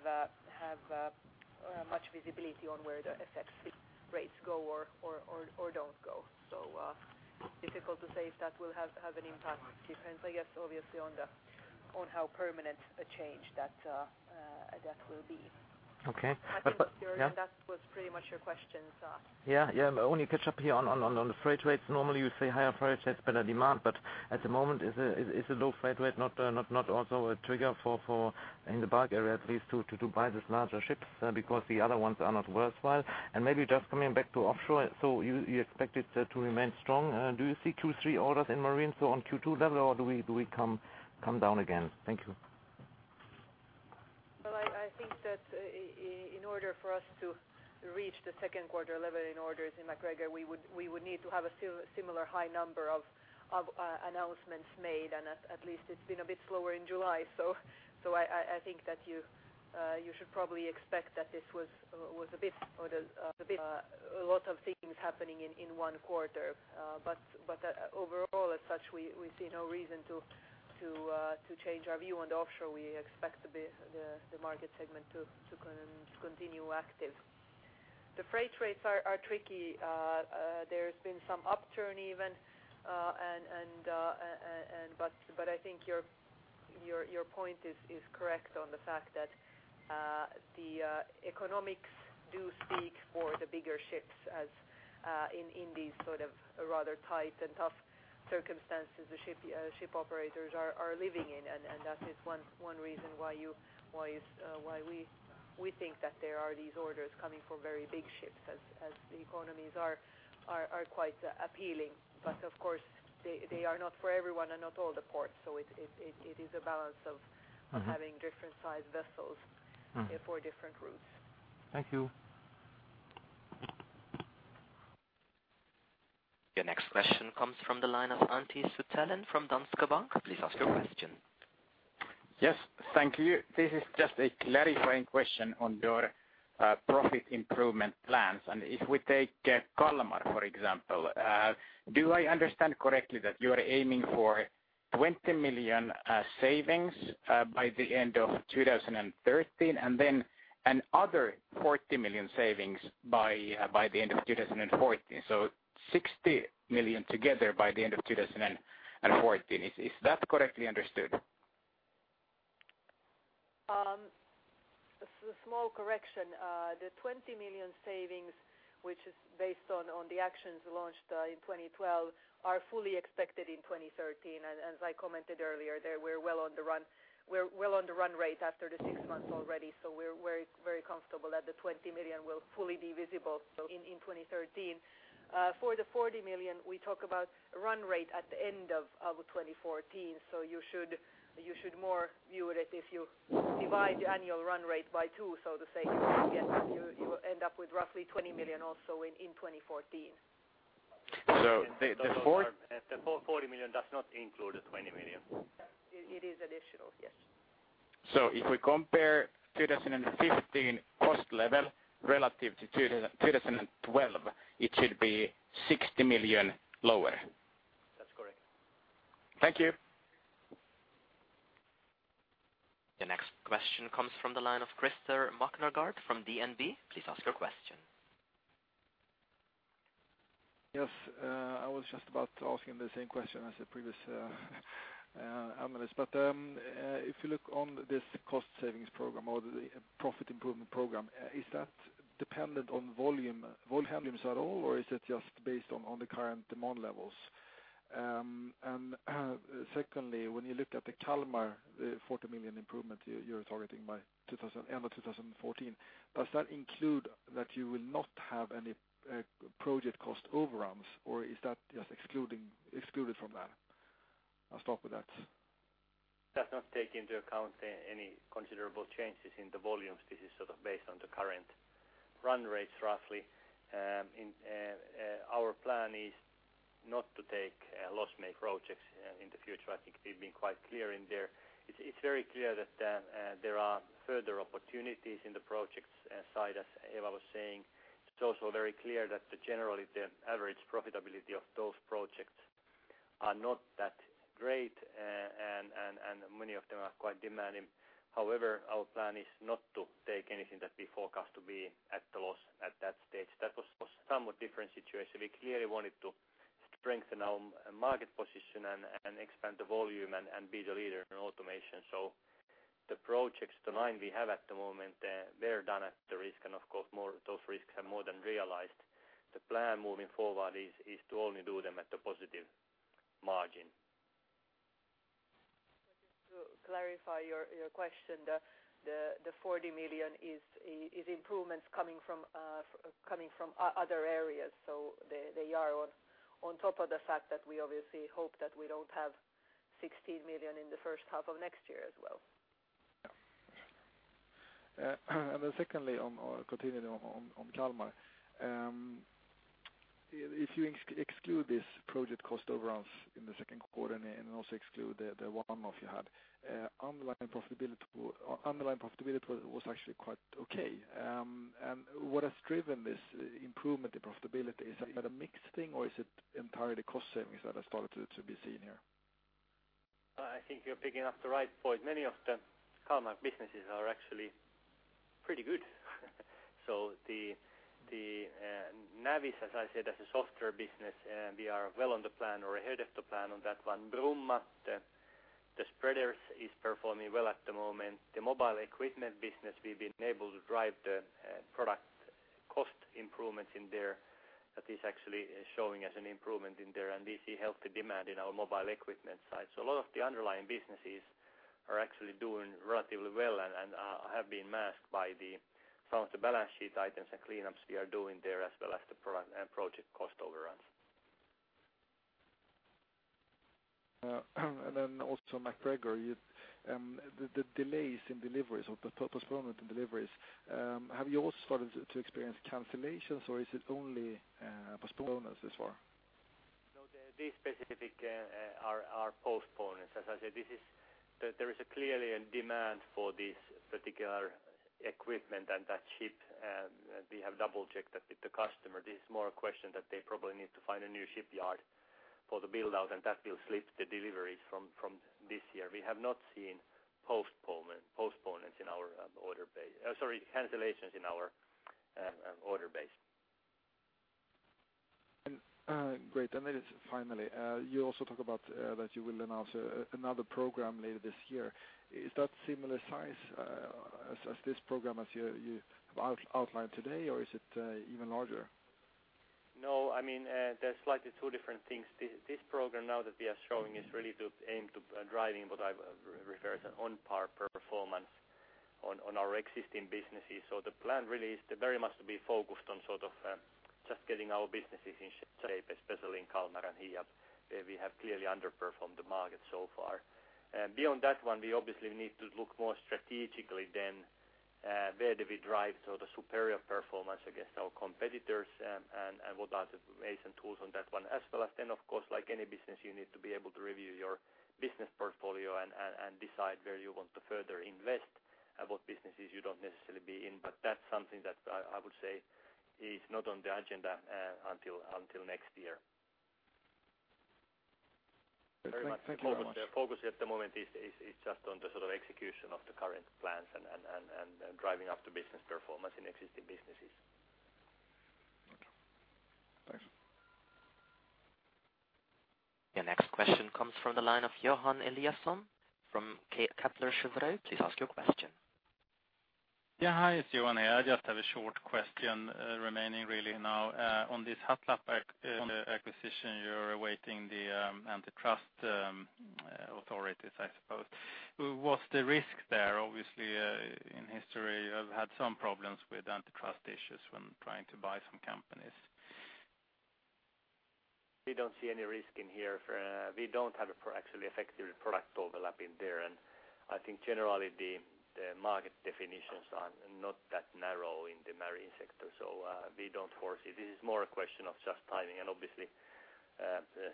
much visibility on where the FX rates go or don't go. Difficult to say if that will have an impact. Depends, I guess, obviously on how permanent a change that will be. Okay. I think your- Yeah.... that was pretty much your questions. Yeah. Only catch up here on the freight rates. Normally you say higher freight rates, better demand, but at the moment is the low freight rate not also a trigger for, in the bulk area at least to buy these larger ships, because the other ones are not worthwhile? Maybe just coming back to offshore. You, you expect it to remain strong. Do you see Q3 orders in marine, so on Q2 level, or do we come down again? Thank you. Well, I think that in order for us to reach the second quarter level in orders in MacGregor, we would need to have a similar high number of announcements made. At least it's been a bit slower in July. I think that you should probably expect that this was a bit or the bit, a lot of things happening in one quarter. Overall as such, we see no reason to change our view on the offshore. We expect the market segment to continue active. The freight rates are tricky. There's been some upturn even, but I think your point is correct on the fact that the economics do speak for the bigger ships as in these sort of rather tight and tough circumstances the ship operators are living in. That is one reason why we think that there are these orders coming for very big ships as the economies are quite appealing. Of course, they are not for everyone and not all the ports. It is a balance of- Mm-hmm.... of having different sized vessels Mm-hmm. For different routes. Thank you. Your next question comes from the line of Antti Suttelin from Danske Bank. Please ask your question. Yes. Thank you. This is just a clarifying question on your profit improvement plans. If we take Kalmar for example, do I understand correctly that you are aiming for 20 million savings by the end of 2013, and then another 40 million savings by the end of 2014? 60 million together by the end of 2014. Is that correctly understood? A small correction. The 20 million savings, which is based on the actions launched in 2012, are fully expected in 2013. As I commented earlier, we're well on the run rate after the six months already, so we're very comfortable that the 20 million will fully be visible in 2013. For the 40 million, we talk about run rate at the end of 2014. You should more view it if you divide the annual run rate by 2, so to say. Again, you end up with roughly 20 million also in 2014. So the, the four- Kalmar, the 40 million does not include the 20 million? It is additional, yes. If we compare 2015 cost level relative to 2012, it should be 60 million lower? That's correct. Thank you. The next question comes from the line of Christer Magnergård from DNB. Please ask your question. Yes. I was just about to ask him the same question as the previous analyst. If you look on this cost savings program or the profit improvement program, is that dependent on volume at all or is it just based on the current demand levels? Secondly, when you look at the Kalmar, the 40 million improvement you're targeting by end of 2014, does that include that you will not have any project cost overruns or is that just excluded from that? I'll stop with that. That's not take into account any considerable changes in the volumes. This is sort of based on the current run rates, roughly. In our plan is not to take loss make projects in the future. I think we've been quite clear in there. It's very clear that there are further opportunities in the projects side, as Eeva was saying. It's also very clear that the generally the average profitability of those projects are not that great. Many of them are quite demanding. However, our plan is not to take anything that we forecast to be at a loss at that stage. That was for somewhat different situation. We clearly wanted to strengthen our market position and expand the volume and be the leader in automation. The projects, the nine we have at the moment, they are done at the risk and of course more those risks have more than realized. The plan moving forward is to only do them at the positive margin. To clarify your question, the 40 million is improvements coming from other areas. They are on top of the fact that we obviously hope that we don't have 16 million in the first half of next year as well. Yeah. Secondly, on continuing on Kalmar. If you exclude this project cost overruns in the second quarter and also exclude the one-off you had, underlying profitability was actually quite okay. What has driven this improvement in profitability? Is that a mixed thing or is it entirely cost savings that are started to be seen here? I think you're picking up the right point. Many of the Kalmar businesses are actually pretty good. The Navis, as I said, as a software business, we are well on the plan or ahead of the plan on that one. Bromma, the spreaders is performing well at the moment. The mobile equipment business, we've been able to drive the product cost improvements in there that is actually showing us an improvement in there. We see healthy demand in our mobile equipment side. A lot of the underlying businesses are actually doing relatively well and have been masked by the some of the balance sheet items and cleanups we are doing there, as well as the product and project cost overruns. Also MacGregor, you, delays in deliveries or postponement in deliveries, have you also started to experience cancellations or is it only, postponements this far? No, these specific are postponements. As I said, there is a clearly a demand for this particular equipment and that ship, we have double-checked that with the customer. This is more a question that they probably need to find a new shipyard for the build-out, that will slip the deliveries from this year. We have not seen postponements in our order base. Sorry, cancellations in our order base. Great. Finally, you also talk about that you will announce another program later this year. Is that similar size as this program as you outlined today, or is it even larger? I mean, that's slightly two different things. This program now that we are showing is really to aim to driving what I refer as an on par performance on our existing businesses. The plan really is to very much to be focused on sort of, just getting our businesses in shape, especially in Kalmar and Hiab, where we have clearly underperformed the market so far. Beyond that one, we obviously need to look more strategically then, where do we drive sort of superior performance against our competitors, and what are the ways and tools on that one. As well as then of course, like any business, you need to be able to review your business portfolio and decide where you want to further invest and what businesses you don't necessarily be in. That's something that I would say is not on the agenda until next year. Thank you very much. The focus at the moment is just on the sort of execution of the current plans and driving up the business performance in existing businesses. Okay. Thanks. Your next question comes from the line of Johan Eliasson from Kepler Cheuvreux. Please ask your question. Yeah. Hi, it's Johan here. I just have a short question remaining really now. On this Hatlapa acquisition, you're awaiting the antitrust authorities, I suppose. What's the risk there? Obviously, in history you have had some problems with antitrust issues when trying to buy some companies. We don't see any risk in here for, we don't have actually effective product overlap in there. I think generally the market definitions are not that narrow in the marine sector. We don't foresee. This is more a question of just timing. Obviously,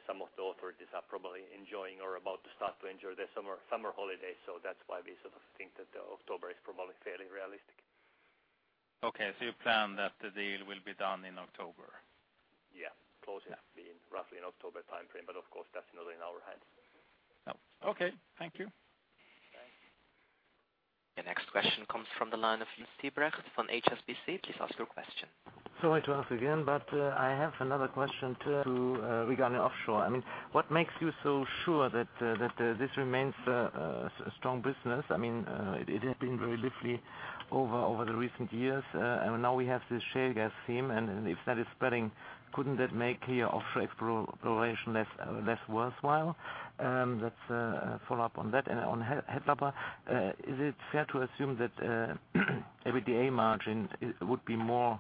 some of the authorities are probably enjoying or about to start to enjoy their summer holiday. That's why we sort of think that October is probably fairly realistic. Okay. You plan that the deal will be done in October? Yeah. Closing will be roughly in October timeframe, but of course that's not in our hands. Oh, okay. Thank you. The next question comes from the line of Jurgen Doldersum from HSBC. Please ask your question. Sorry to ask again, I have another question to regarding offshore. I mean, what makes you so sure that this remains a strong business? I mean, it has been very briefly over the recent years. Now we have this shale gas theme, and if that is spreading, couldn't it make your offshore exploration less worthwhile? That's a follow-up on that. On Hatlapa, is it fair to assume that EBITDA margin would be more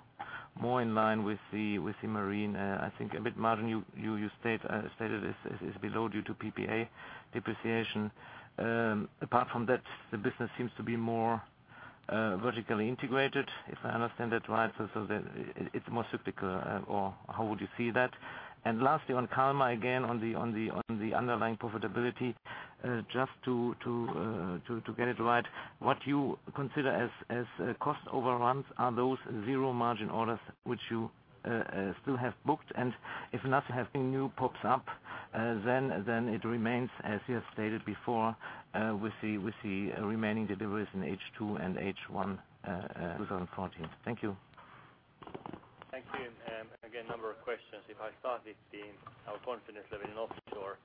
in line with the marine? I think EBITDA margin, you stated is below due to PPA depreciation. Apart from that, the business seems to be more vertically integrated, if I understand that right. So the, it's more cyclical, or how would you see that? Lastly, on Kalmar, again, on the underlying profitability, just to get it right, what you consider as cost overruns are those zero-margin orders which you still have booked. If nothing new pops up, then it remains as you have stated before, with the remaining deliveries in H2 and H1, 2014. Thank you. Thank you. Again, a number of questions. If I start with our confidence level in offshore,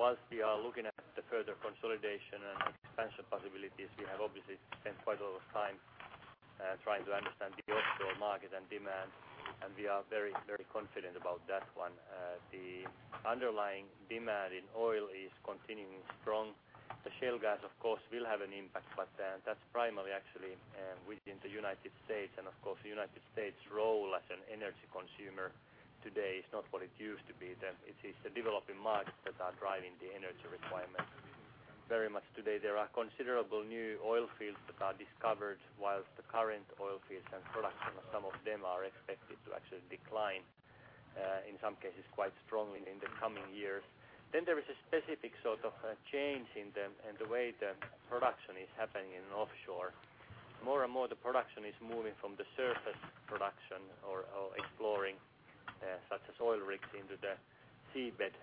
whilst we are looking at the further consolidation and expansion possibilities, we have obviously spent quite a lot of time trying to understand the offshore market and demand, and we are very, very confident about that one. The underlying demand in oil is continuing strong. The shale gas, of course, will have an impact, but that's primarily actually within the United States. Of course, the United States' role as an energy consumer today is not what it used to be. It is the developing markets that are driving the energy requirements very much today. There are considerable new oil fields that are discovered whilst the current oil fields and production of some of them are expected to actually decline, in some cases quite strongly in the coming years. There is a specific sort of change in the way the production is happening in offshore. More and more, the production is moving from the surface production or exploring, such as oil rigs, into the seabed,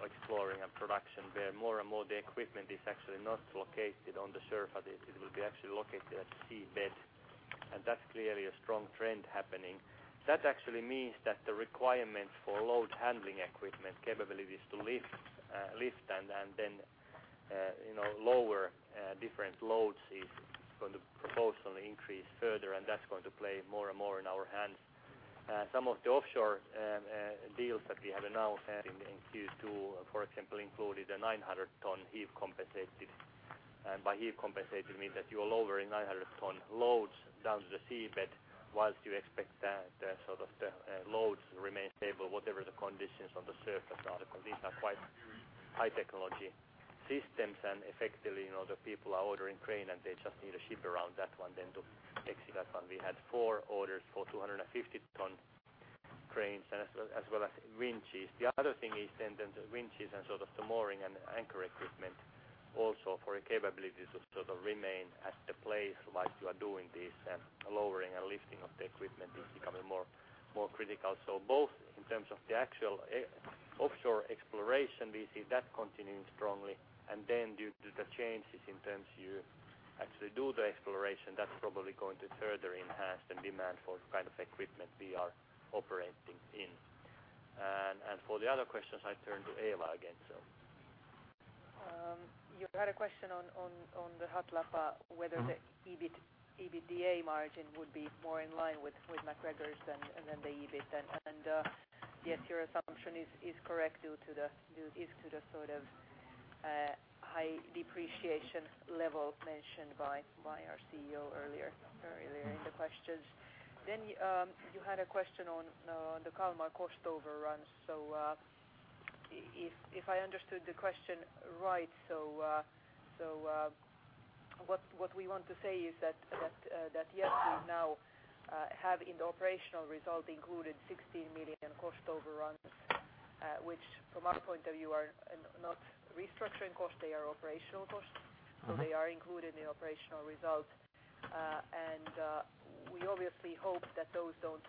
exploring and production, where more and more the equipment is actually not located on the surface. It will be actually located at seabed, and that's clearly a strong trend happening. That actually means that the requirement for load-handling equipment capabilities to lift and then, you know, lower different loads is going to proportionally increase further, and that's going to play more and more in our hands. Some of the offshore deals that we have announced in Q2, for example, included a 900 ton heave compensated. By heave compensated mean that you are lowering 900 ton loads down to the seabed whilst you expect the sort of the loads to remain stable, whatever the conditions on the surface are, because these are quite high-technology systems. Effectively, you know, the people are ordering crane, and they just need a ship around that one to execute that one. We had four orders for 250 ton cranes as well as winches. The other thing is the winches and sort of the mooring and anchor equipment also for a capability to sort of remain at the place whilst you are doing this. Lowering and lifting of the equipment is becoming more critical. Both in terms of the actual offshore exploration, we see that continuing strongly. Due to the changes in terms you actually do the exploration, that's probably going to further enhance the demand for the kind of equipment we are operating in. For the other questions, I turn to Eeva again. You had a question on the Hatlapa, whether the EBITDA, EBITDA margin would be more in line with MacGregor's than the EBITDA. Yes, your assumption is correct due to the sort of high depreciation level mentioned by our CEO earlier in the questions. You had a question on the Kalmar cost overruns. If I understood the question right, what we want to say is that yes, we now have in the operational result included 16 million cost overruns, which from our point of view are not restructuring costs. They are operational costs. Mm-hmm. They are included in the operational results. We obviously hope that those don't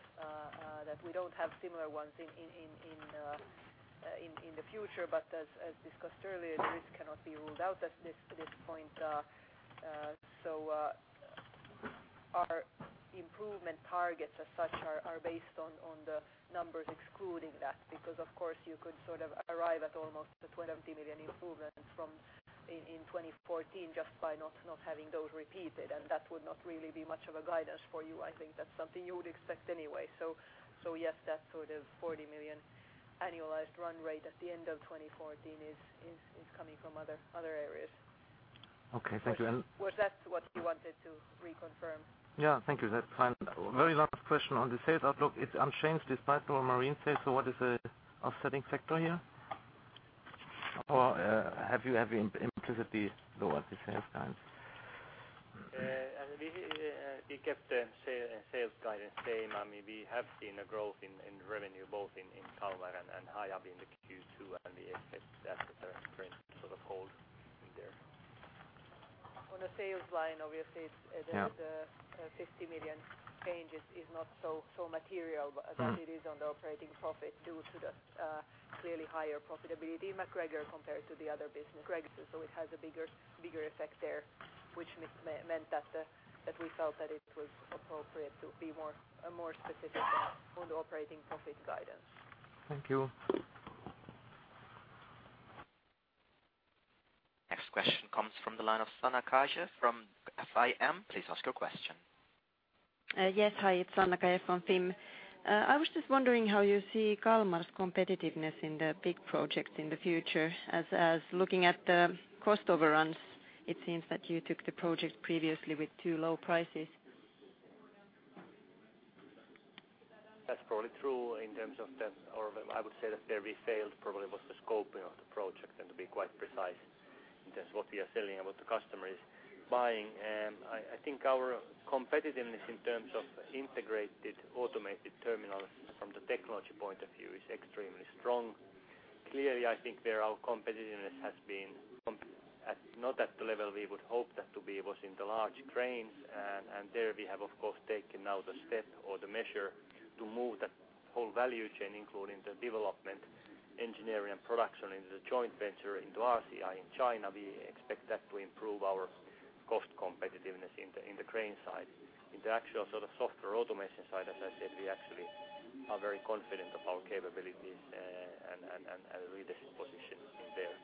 that we don't have similar ones in the future. As discussed earlier, this cannot be ruled out at this point. Our improvement targets as such are based on the numbers excluding that because of course you could sort of arrive at almost a 20 million improvement from in 2014 just by not having those repeated. That would not really be much of a guidance for you. I think that's something you would expect anyway. Yes, that sort of 40 million annualized run rate at the end of 2014 is coming from other areas. Okay. Thank you. Was that what you wanted to reconfirm? Yeah. Thank you. That's fine. Very last question on the sales outlook. It's unchanged despite lower marine sales, what is the offsetting factor here? Have you implicitly lowered the sales guidance? We kept the sales guidance same. I mean, we have seen a growth in revenue both in Kalmar and Hiab in the Q2, and we expect that to sort of hold in there. On the sales line, obviously it's. Yeah. 50 million change is not so material than it is on the operating profit due to the clearly higher profitability MacGregor compared to the other business, areas. It has a bigger effect there, which meant that we felt that it was appropriate to be a more specific on the operating profit guidance. Thank you. Next question comes from the line of Sanna Kaje from FIM Bank. Please ask your question. Yes. Hi, it's Sanna Kaje from FIM Bank. I was just wondering how you see Kalmar's competitiveness in the big projects in the future, as looking at the cost overruns, it seems that you took the project previously with too low prices? That's probably true in terms of the... Or I would say that there we failed probably was the scoping of the project and to be quite precise in terms of what we are selling and what the customer is buying. I think our competitiveness in terms of integrated automated terminals from the technology point of view is extremely strong. Clearly, I think there our competitiveness has been at not at the level we would hope that to be was in the large cranes. There we have, of course, taken now the step or the measure to move that whole value chain, including the development, engineering and production into the joint venture into RCI in China. We expect that to improve our cost competitiveness in the, in the crane side. In the actual sort of software automation side, as I said, we actually are very confident of our capabilities, and reposition position in there.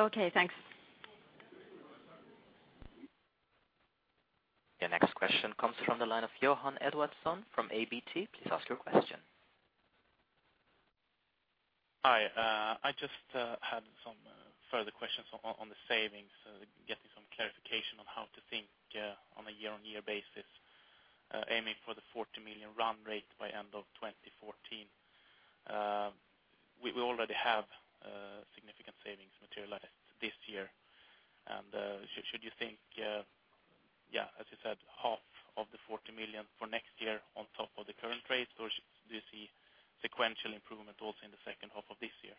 Okay, thanks. Your next question comes from the line of Johan Ekström from ABG Sundal Collier. Please ask your question. Hi. I just had some further questions on the savings, getting some clarification on how to think on a year-on-year basis, aiming for the 40 million run rate by end of 2014. We already have significant savings materialized this year. Should you think, yeah, as you said, half of the 40 million for next year on top of the current rate, or do you see sequential improvement also in the second half of this year?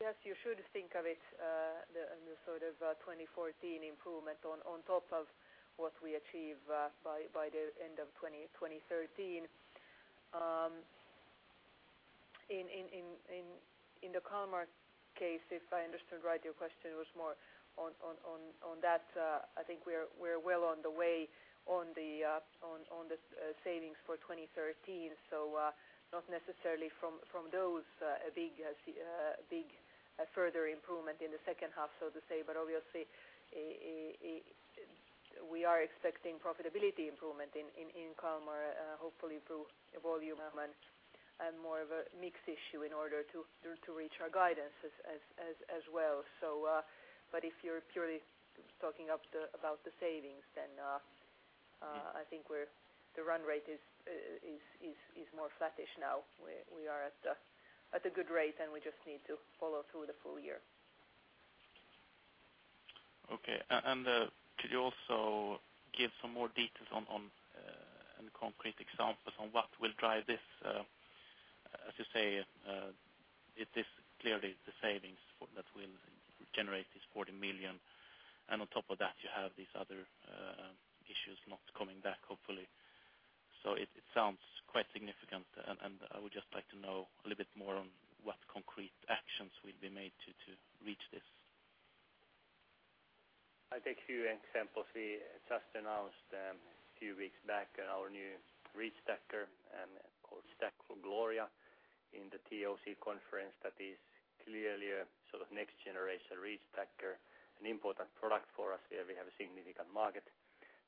Yes, you should think of it, the sort of 2014 improvement on top of what we achieve by the end of 2013. In the Kalmar case, if I understood right, your question was more on that. I think we're well on the way on the savings for 2013. Not necessarily from those a big further improvement in the second half, so to say. Obviously, we are expecting profitability improvement in Kalmar, hopefully through volume and more of a mix issue in order to reach our guidance as well. If you're purely talking about the savings, I think we're the run rate is more flattish now. We are at a good rate, we just need to follow through the full year. Okay. Could you also give some more details on, and concrete examples on what will drive this, as you say, it is clearly the savings that will generate this 40 million. On top of that, you have these other issues not coming back, hopefully. It sounds quite significant, and I would just like to know a little bit more on what concrete actions will be made to reach this. I'll take a few examples. We just announced a few weeks back our new reachstacker called Gloria in the TOC conference that is clearly a sort of next generation reachstacker, an important product for us. We have a significant market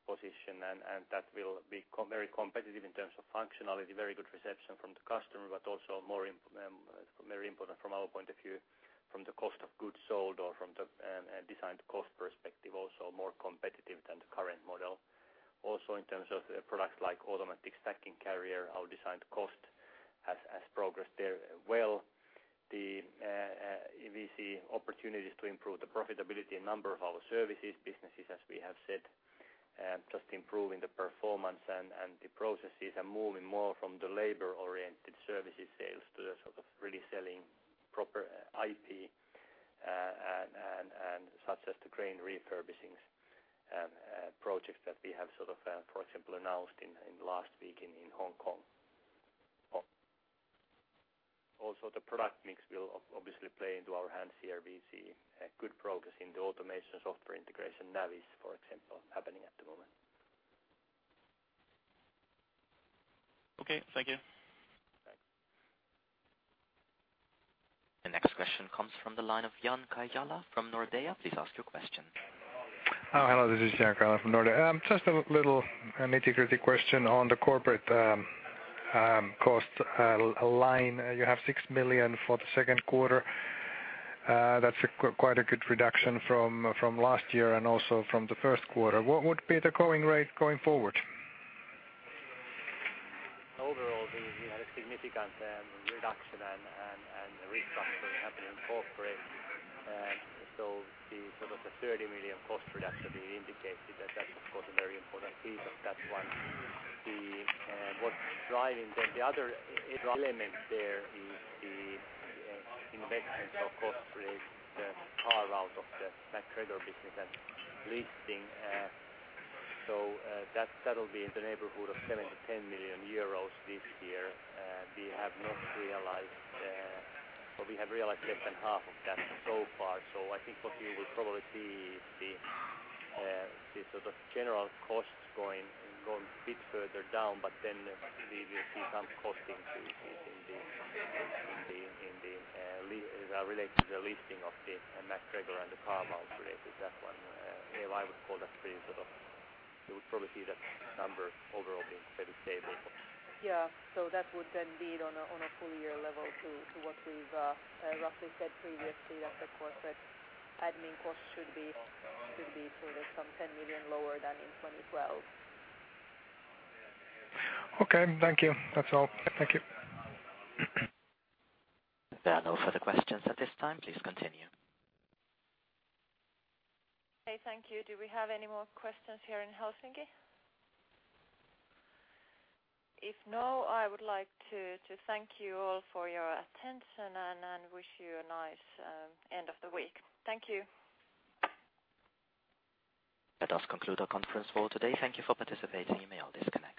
position and that will be very competitive in terms of functionality, very good reception from the customer, but also more very important from our point of view, from the cost of goods sold or from the designed cost perspective, also more competitive than the current model. Also, in terms of products like automatic stacking carrier, our designed cost has progressed there well. We see opportunities to improve the profitability in a number of our services businesses, as we have said, just improving the performance and the processes and moving more from the labor-oriented services sales to the sort of really selling proper IP, and such as the crane refurbishing, projects that we have sort of, for example, announced in last week in Hong Kong. Also, the product mix will obviously play into our hands here. We see a good progress in the automation software integration, Navis, for example, happening at the moment. Okay. Thank you. Thanks. The next question comes from the line of Jan Capała from Nordea. Please ask your question. Hello, this is Jan Capała from Nordea. Just a little, an nitty-gritty question on the corporate cost line. You have 6 million for the second quarter. That's a quite a good reduction from last year and also from the first quarter. What would be the going rate going forward? Overall, we had a significant reduction and restructure happening in corporate. The sort of the 30 million cost reduction, we indicated that that's of course a very important piece of that one. The what's driving then the other element there is the investments of course create the carve out of the MacGregor business and listing. That'll be in the neighborhood of 7 million-10 million euros this year. We have not realized or we have realized less than half of that so far. I think what you will probably see is the sort of general costs going a bit further down, but then we will see some costing in the related to the listing of the MacGregor and the carve out related to that one. Yeah, I would call that pretty. You would probably see that number overall being pretty stable. Yeah. That would then be it on a, on a full year level to what we've roughly said previously that the corporate admin costs should be sort of some 10 million lower than in 2012. Okay. Thank you. That's all. Thank you. There are no further questions at this time. Please continue. Okay, thank you. Do we have any more questions here in Helsinki? If no, I would like to thank you all for your attention and wish you a nice end of the week. Thank you. That does conclude our conference call today. Thank Thank you for participating. You may all disconnect.